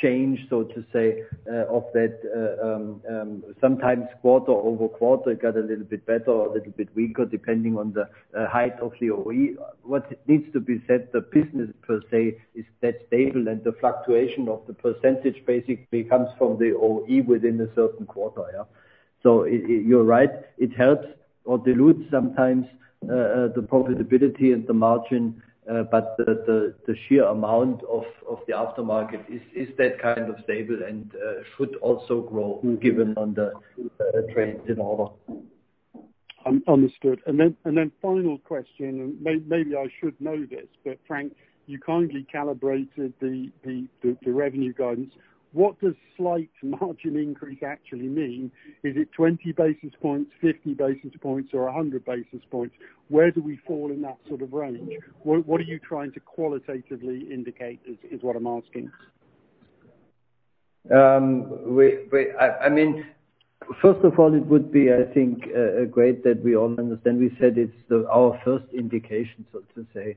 S4: change, so to say, of that. Sometimes quarter-over-quarter got a little bit better or a little bit weaker, depending on the height of the OE. What needs to be said, the business per se is that stable and the fluctuation of the percentage basically comes from the OE within a certain quarter. Yeah. So you're right. It helps or dilutes sometimes the profitability and the margin, but the sheer amount of the aftermarket is that kind of stable and should also grow given on the trends in order.
S8: Understood. Final question, and maybe I should know this, but Frank, you kindly calibrated the revenue guidance. What does slight margin increase actually mean? Is it 20 basis points, 50 basis points, or 100 basis points? Where do we fall in that sort of range? What are you trying to qualitatively indicate is what I'm asking.
S4: I mean, first of all it would be, I think, great that we all understand. We said it's our first indication, so to say,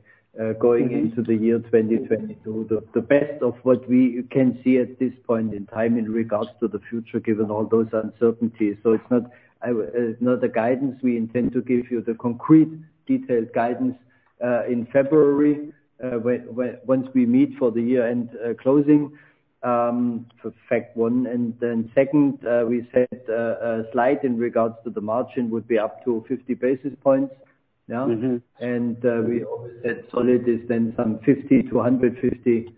S4: going into the year 2022, the best of what we can see at this point in time in regards to the future, given all those uncertainties. It's not a guidance. We intend to give you the concrete detailed guidance in February, once we meet for the year-end closing. Fact one, and then second, we said a slight in regards to the margin would be up to 50 basis points. Yeah.
S8: Mm-hmm.
S4: We always said solid is then some 50-150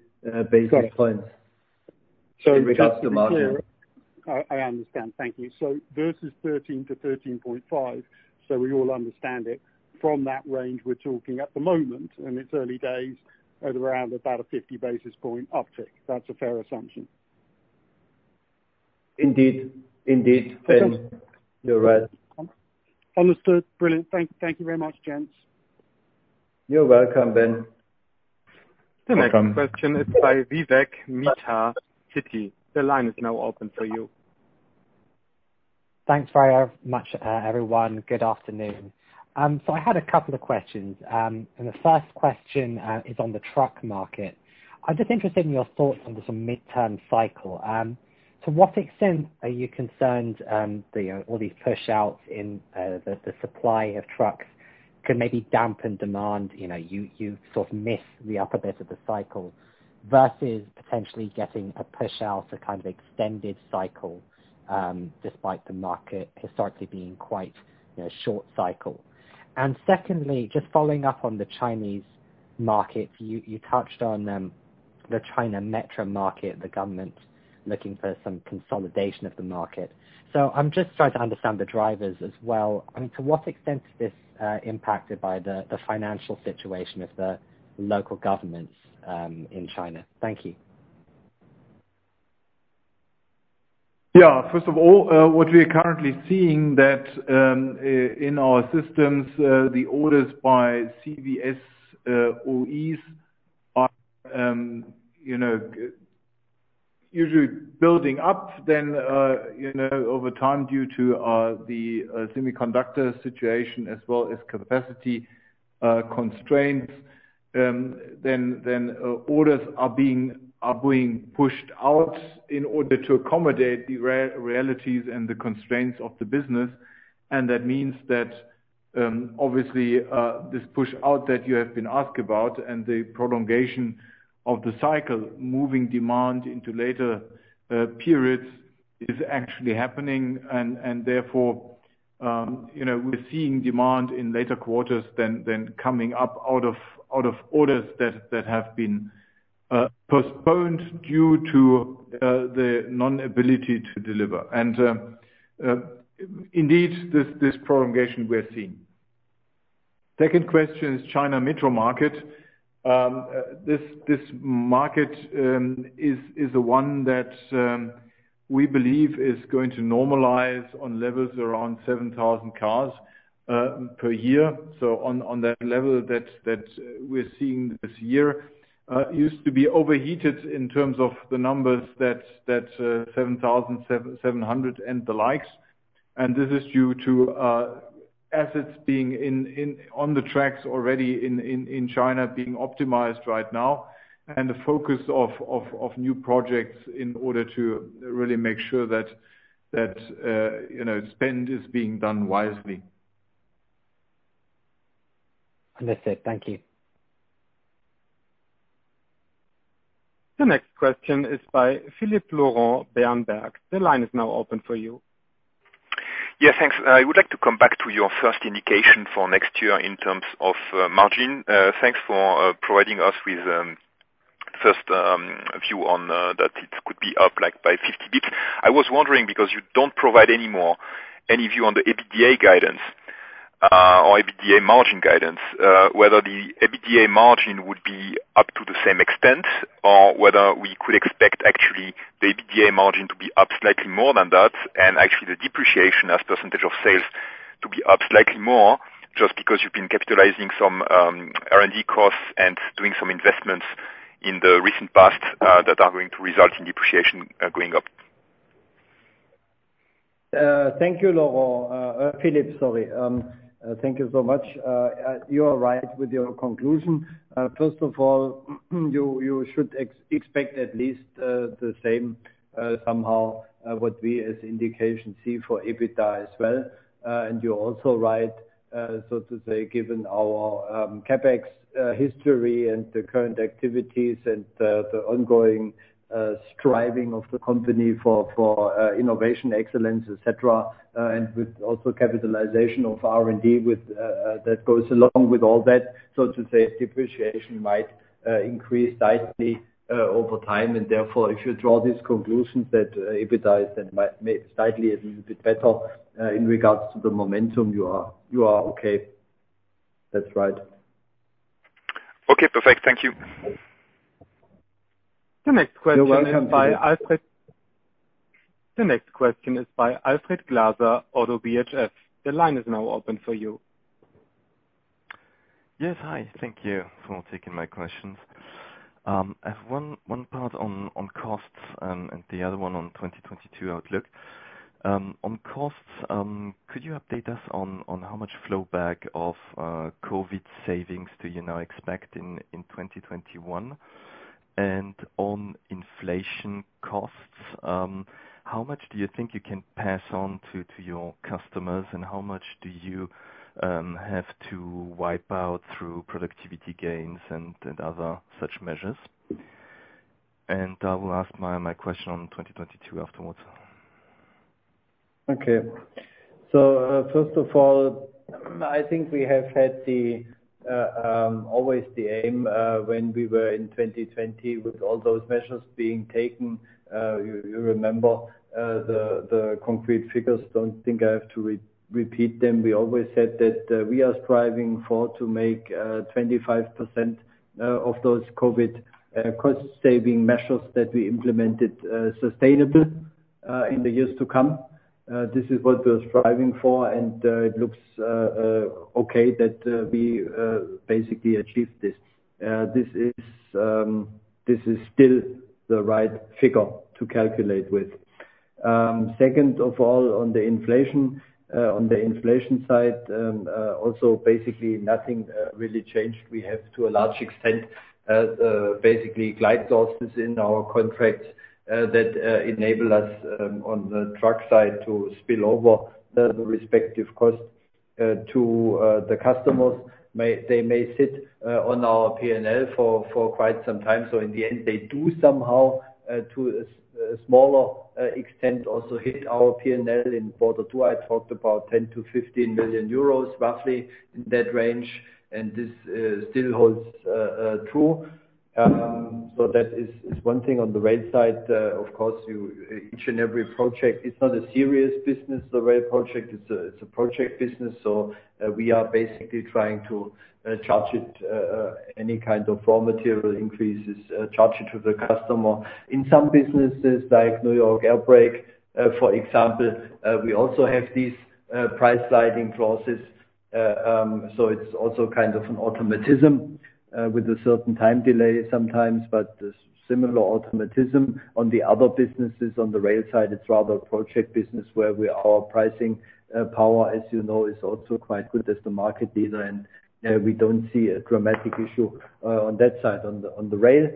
S4: basis points.
S8: Got it.
S4: In regards to margin.
S8: I understand. Thank you. Versus 13%-13.5%, so we all understand it, from that range, we're talking at the moment, and it's early days, at around about a 50 basis point uptick. That's a fair assumption.
S4: Indeed.
S8: Okay.
S4: You're right.
S8: Understood. Brilliant. Thank you very much, gents.
S4: You're welcome, Ben.
S1: The next question is by Vivek Midha, Citi. The line is now open for you.
S9: Thanks very much, everyone. Good afternoon. I had a couple of questions. The first question is on the truck market. I'm just interested in your thoughts on the sort of midterm cycle. To what extent are you concerned, you know, all these push-outs in the supply of trucks could maybe dampen demand, you know, you sort of miss the upper bit of the cycle versus potentially getting a push-out to kind of extended cycle, despite the market historically being quite, you know, short cycle? Secondly, just following up on the Chinese market, you touched on them, the China metro market, the government looking for some consolidation of the market. I'm just trying to understand the drivers as well. I mean, to what extent is this impacted by the financial situation of the local governments in China? Thank you.
S3: Yeah. First of all, what we are currently seeing is that in our systems, the orders by CVS OEs are, you know, usually building up then over time due to the semiconductor situation as well as capacity constraints. Then orders are being pushed out in order to accommodate the realities and the constraints of the business. That means that, obviously, this push-out that you have been asked about and the prolongation of the cycle, moving demand into later periods is actually happening. Therefore, you know, we're seeing demand in later quarters than coming up out of orders that have been postponed due to the inability to deliver. Indeed, this prolongation we're seeing. Second question is China metro market. This market is the one that we believe is going to normalize on levels around 7,000 cars per year. On that level that we're seeing this year used to be overheated in terms of the numbers that 7,000, 7,700 and the likes. This is due to assets being on the tracks already in China being optimized right now and the focus of new projects in order to really make sure that you know spend is being done wisely.
S9: Understood. Thank you.
S1: The next question is by Philippe Lorrain, Berenberg. The line is now open for you.
S10: Yeah. Thanks. I would like to come back to your first indication for next year in terms of margin. Thanks for providing us with first view on that it could be up like by 50 basis points. I was wondering because you don't provide any more any view on the EBITDA guidance or EBITDA margin guidance whether the EBITDA margin would be up to the same extent or whether we could expect actually the EBITDA margin to be up slightly more than that and actually the depreciation as percentage of sales to be up slightly more just because you've been capitalizing some R&D costs and doing some investments in the recent past that are going to result in depreciation going up.
S4: Thank you, Lorrain. Philippe sorry. Thank you so much. You are right with your conclusion. First of all, you should expect at least the same somehow what we see as an indication for EBITDA as well. You are also right, so to say, given our CapEx history and the ongoing striving of the company for innovation excellence, et cetera, and also with capitalization of R&D that goes along with all that. So to say, depreciation might increase slightly over time. Therefore, if you draw these conclusions that EBITDA might then be slightly a little bit better in regards to the momentum, you are okay. That's right.
S10: Okay, perfect. Thank you.
S1: The next question is by Alfred Glaser.
S4: You're welcome.
S1: The next question is by Alfred Glaser, ODDO BHF. The line is now open for you.
S11: Yes. Hi, thank you for taking my questions. I have one part on costs and the other one on 2022 outlook. On costs, could you update us on how much flow back of COVID savings do you now expect in 2021? And on inflation costs, how much do you think you can pass on to your customers, and how much do you have to wipe out through productivity gains and other such measures? I will ask my question on 2022 afterwards.
S4: Okay. First of all, I think we have always had the aim when we were in 2020 with all those measures being taken. You remember the concrete figures. Don't think I have to repeat them. We always said that we are striving for to make 25% of those COVID cost saving measures that we implemented sustainable in the years to come. This is what we're striving for and it looks okay that we basically achieved this. This is still the right figure to calculate with. Second of all, on the inflation. On the inflation side, also basically nothing really changed. We have to a large extent basically glide sources in our contracts that enable us on the truck side to spill over the respective costs to the customers. They may sit on our P&L for quite some time, so in the end, they do somehow to a smaller extent also hit our P&L. In quarter two, I talked about 10 million-15 million euros, roughly in that range, and this still holds true. That is one thing on the rail side. Of course, each and every project it's not a series business, the rail project. It's a project business, we are basically trying to charge any kind of raw material increases to the customer. In some businesses, like New York Air Brake, for example, we also have these price sliding clauses. It's also kind of an automatism with a certain time delay sometimes, but similar automatism. On the other businesses on the rail side, it's rather a project business where we, our pricing power, as you know, is also quite good as the market leader. We don't see a dramatic issue on that side, on the rail.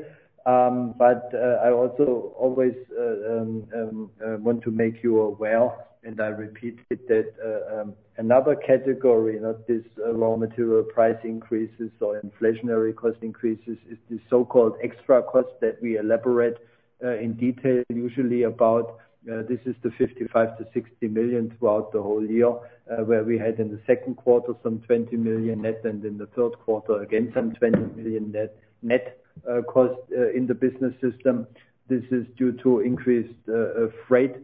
S4: I also always want to make you aware, and I repeat it, that another category, not this raw material price increases or inflationary cost increases, is the so-called extra cost that we elaborate in detail. Usually about this is the 55 million-60 million throughout the whole year, where we had in the second quarter some 20 million net, and in the third quarter, again, some 20 million net cost in the business system. This is due to increased freight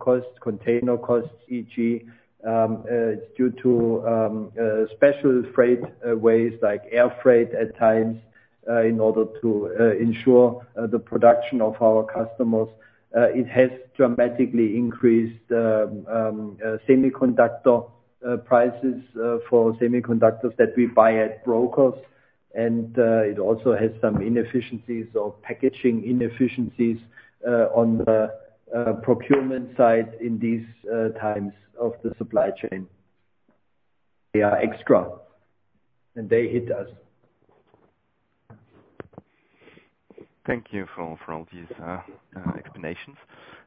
S4: costs, container costs, e.g. It's due to special freight ways like air freight at times in order to ensure the production of our customers. It has dramatically increased semiconductor prices for semiconductors that we buy at brokers. It also has some inefficiencies or packaging inefficiencies on the procurement side in these times of the supply chain. They are extra, and they hit us.
S11: Thank you for all these explanations.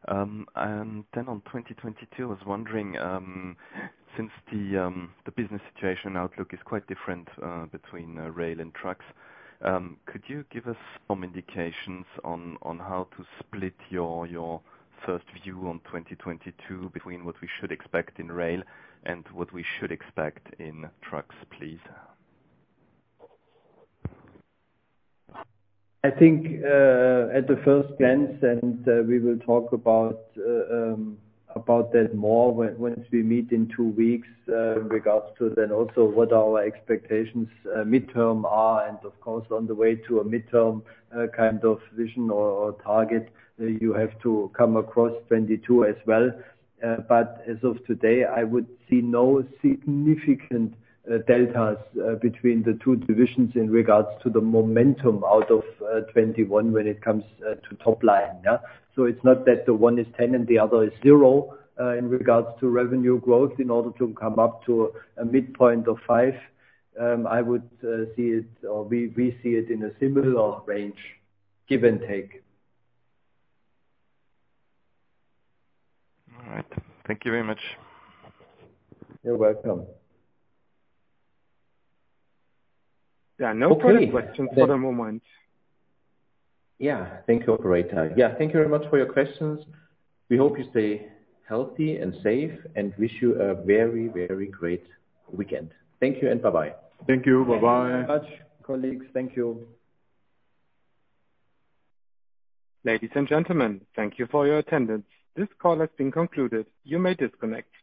S11: On 2022, I was wondering, since the business situation outlook is quite different between rail and trucks, could you give us some indications on how to split your first view on 2022 between what we should expect in rail and what we should expect in trucks, please?
S4: I think, at the first glance, and we will talk about that more when we meet in two weeks, in regards to then also what our expectations, midterm are. Of course, on the way to a midterm, kind of vision or target, you have to come across 2022 as well. As of today, I would see no significant deltas between the two divisions in regards to the momentum out of 2021 when it comes to top line, yeah. It's not that the one is 10% and the other is 0% in regards to revenue growth. In order to come up to a midpoint of 5%, I would see it, or we see it in a similar range, give and take.
S11: All right. Thank you very much.
S4: You're welcome.
S1: There are no further questions for the moment.
S2: Yeah. Thank you, operator. Yeah, thank you very much for your questions. We hope you stay healthy and safe, and wish you a very, very great weekend. Thank you and bye-bye.
S3: Thank you. Bye-bye.
S4: Thank you very much, colleagues. Thank you.
S1: Ladies and gentlemen, thank you for your attendance. This call has been concluded. You may disconnect.